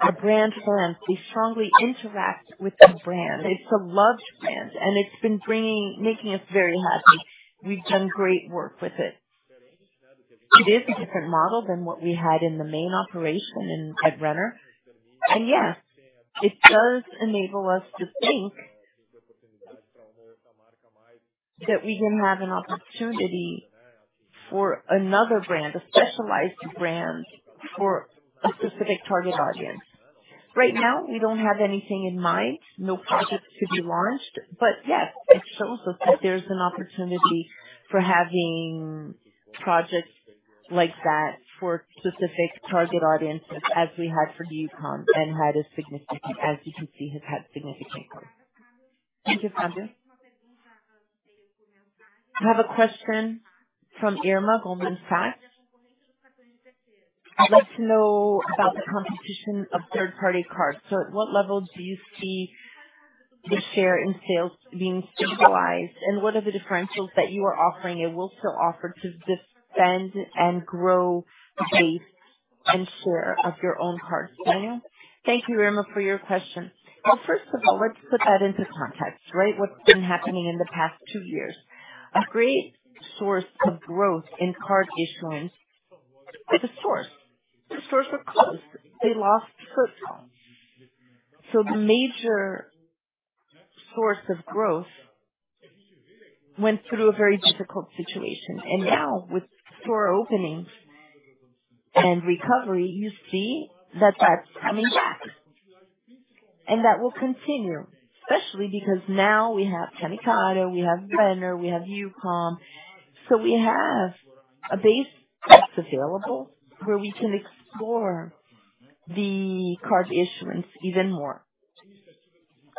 our brand fans, they strongly interact with the brand. It's a loved brand, and it's been making us very happy. We've done great work with it. It is a different model than what we had in the main operation at Renner. Yes, it does enable us to think that we can have an opportunity for another brand, a specialized brand for a specific target audience. Right now, we don't have anything in mind. No projects to be launched. Yes, it shows us that there's an opportunity for having projects like that for specific target audiences, as we had for Youcom and, as you can see, has had significant growth. Thank you, Fabio. I have a question from Irma, Goldman Sachs. I'd like to know about the competition of third-party cards. At what level do you see the share in sales being stabilized, and what are the differentials that you are offering and will still offer to defend and grow the base and share of your own card plan? Thank you, Irma, for your question. Well, first of all, let's put that into context, right? What's been happening in the past two years? A great source of growth in card issuance is the stores. The stores were closed. They lost footfall. The major source of growth went through a very difficult situation. Now, with store openings and recovery, you see that that's coming back. That will continue, especially because now we have Camicado, we have Renner, we have Youcom. We have a base that's available where we can explore the card issuance even more.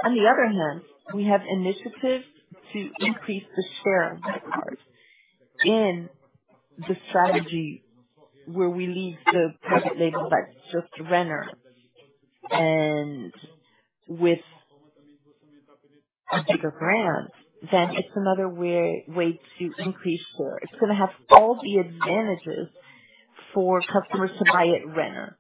On the other hand, we have initiatives to increase the share of the cards in the strategy where we leave the private label, like just Renner and with a bigger brand, then it's another way to increase share. It's gonna have all the advantages for customers to buy at Renner.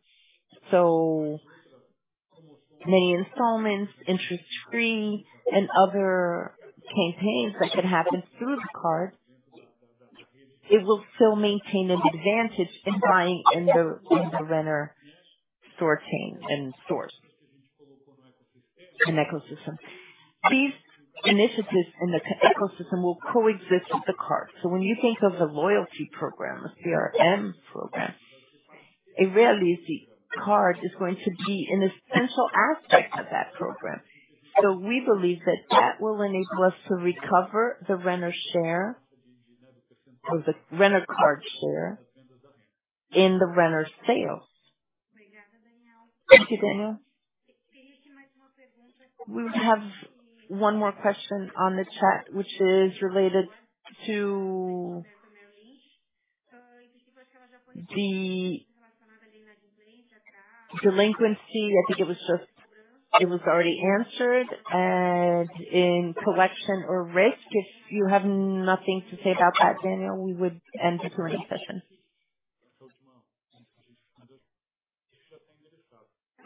Many installments, interest-free and other campaigns that can happen through the card. It will still maintain an advantage in buying in the Renner store chain and stores and ecosystem. These initiatives in the ecosystem will coexist with the card. When you think of the loyalty program, the CRM program, a Realize card is going to be an essential aspect of that program. We believe that that will enable us to recover the Renner share or the Renner Card share in the Renner sales. Thank you, Daniel. We have one more question on the chat, which is related to the delinquency. I think it was already answered. In collection or risk, if you have nothing to say about that, Daniel, we would end the current session.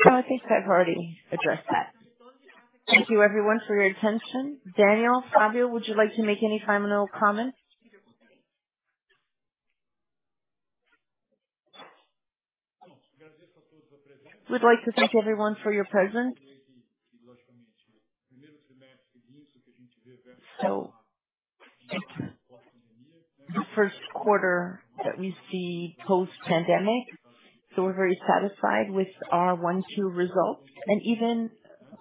No, I think I've already addressed that. Thank you everyone for your attention. Daniel, Fabio, would you like to make any final comments? We'd like to thank everyone for your presence. It's the first quarter that we see post-pandemic, so we're very satisfied with our Q1, Q2 results, and even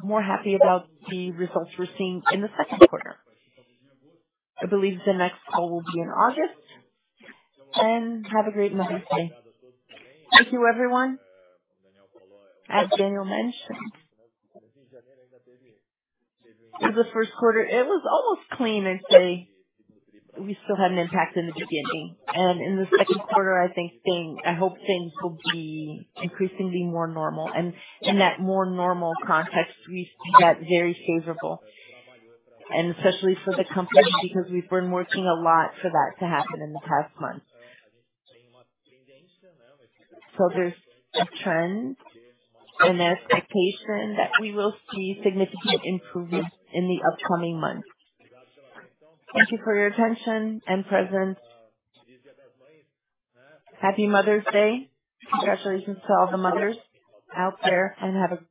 more happy about the results we're seeing in the second quarter. I believe the next call will be in August. Have a great Mother's Day. Thank you everyone. As Daniel mentioned, for the first quarter, it was almost clean. I'd say we still had an impact in the beginning, and in the second quarter, I hope things will be increasingly more normal. In that more normal context, we see that very favorable and especially for the company because we've been working a lot for that to happen in the past months. There's a trend, an expectation that we will see significant improvement in the upcoming months. Thank you for your attention and presence. Happy Mother's Day. Congratulations to all the mothers out there and have a great day.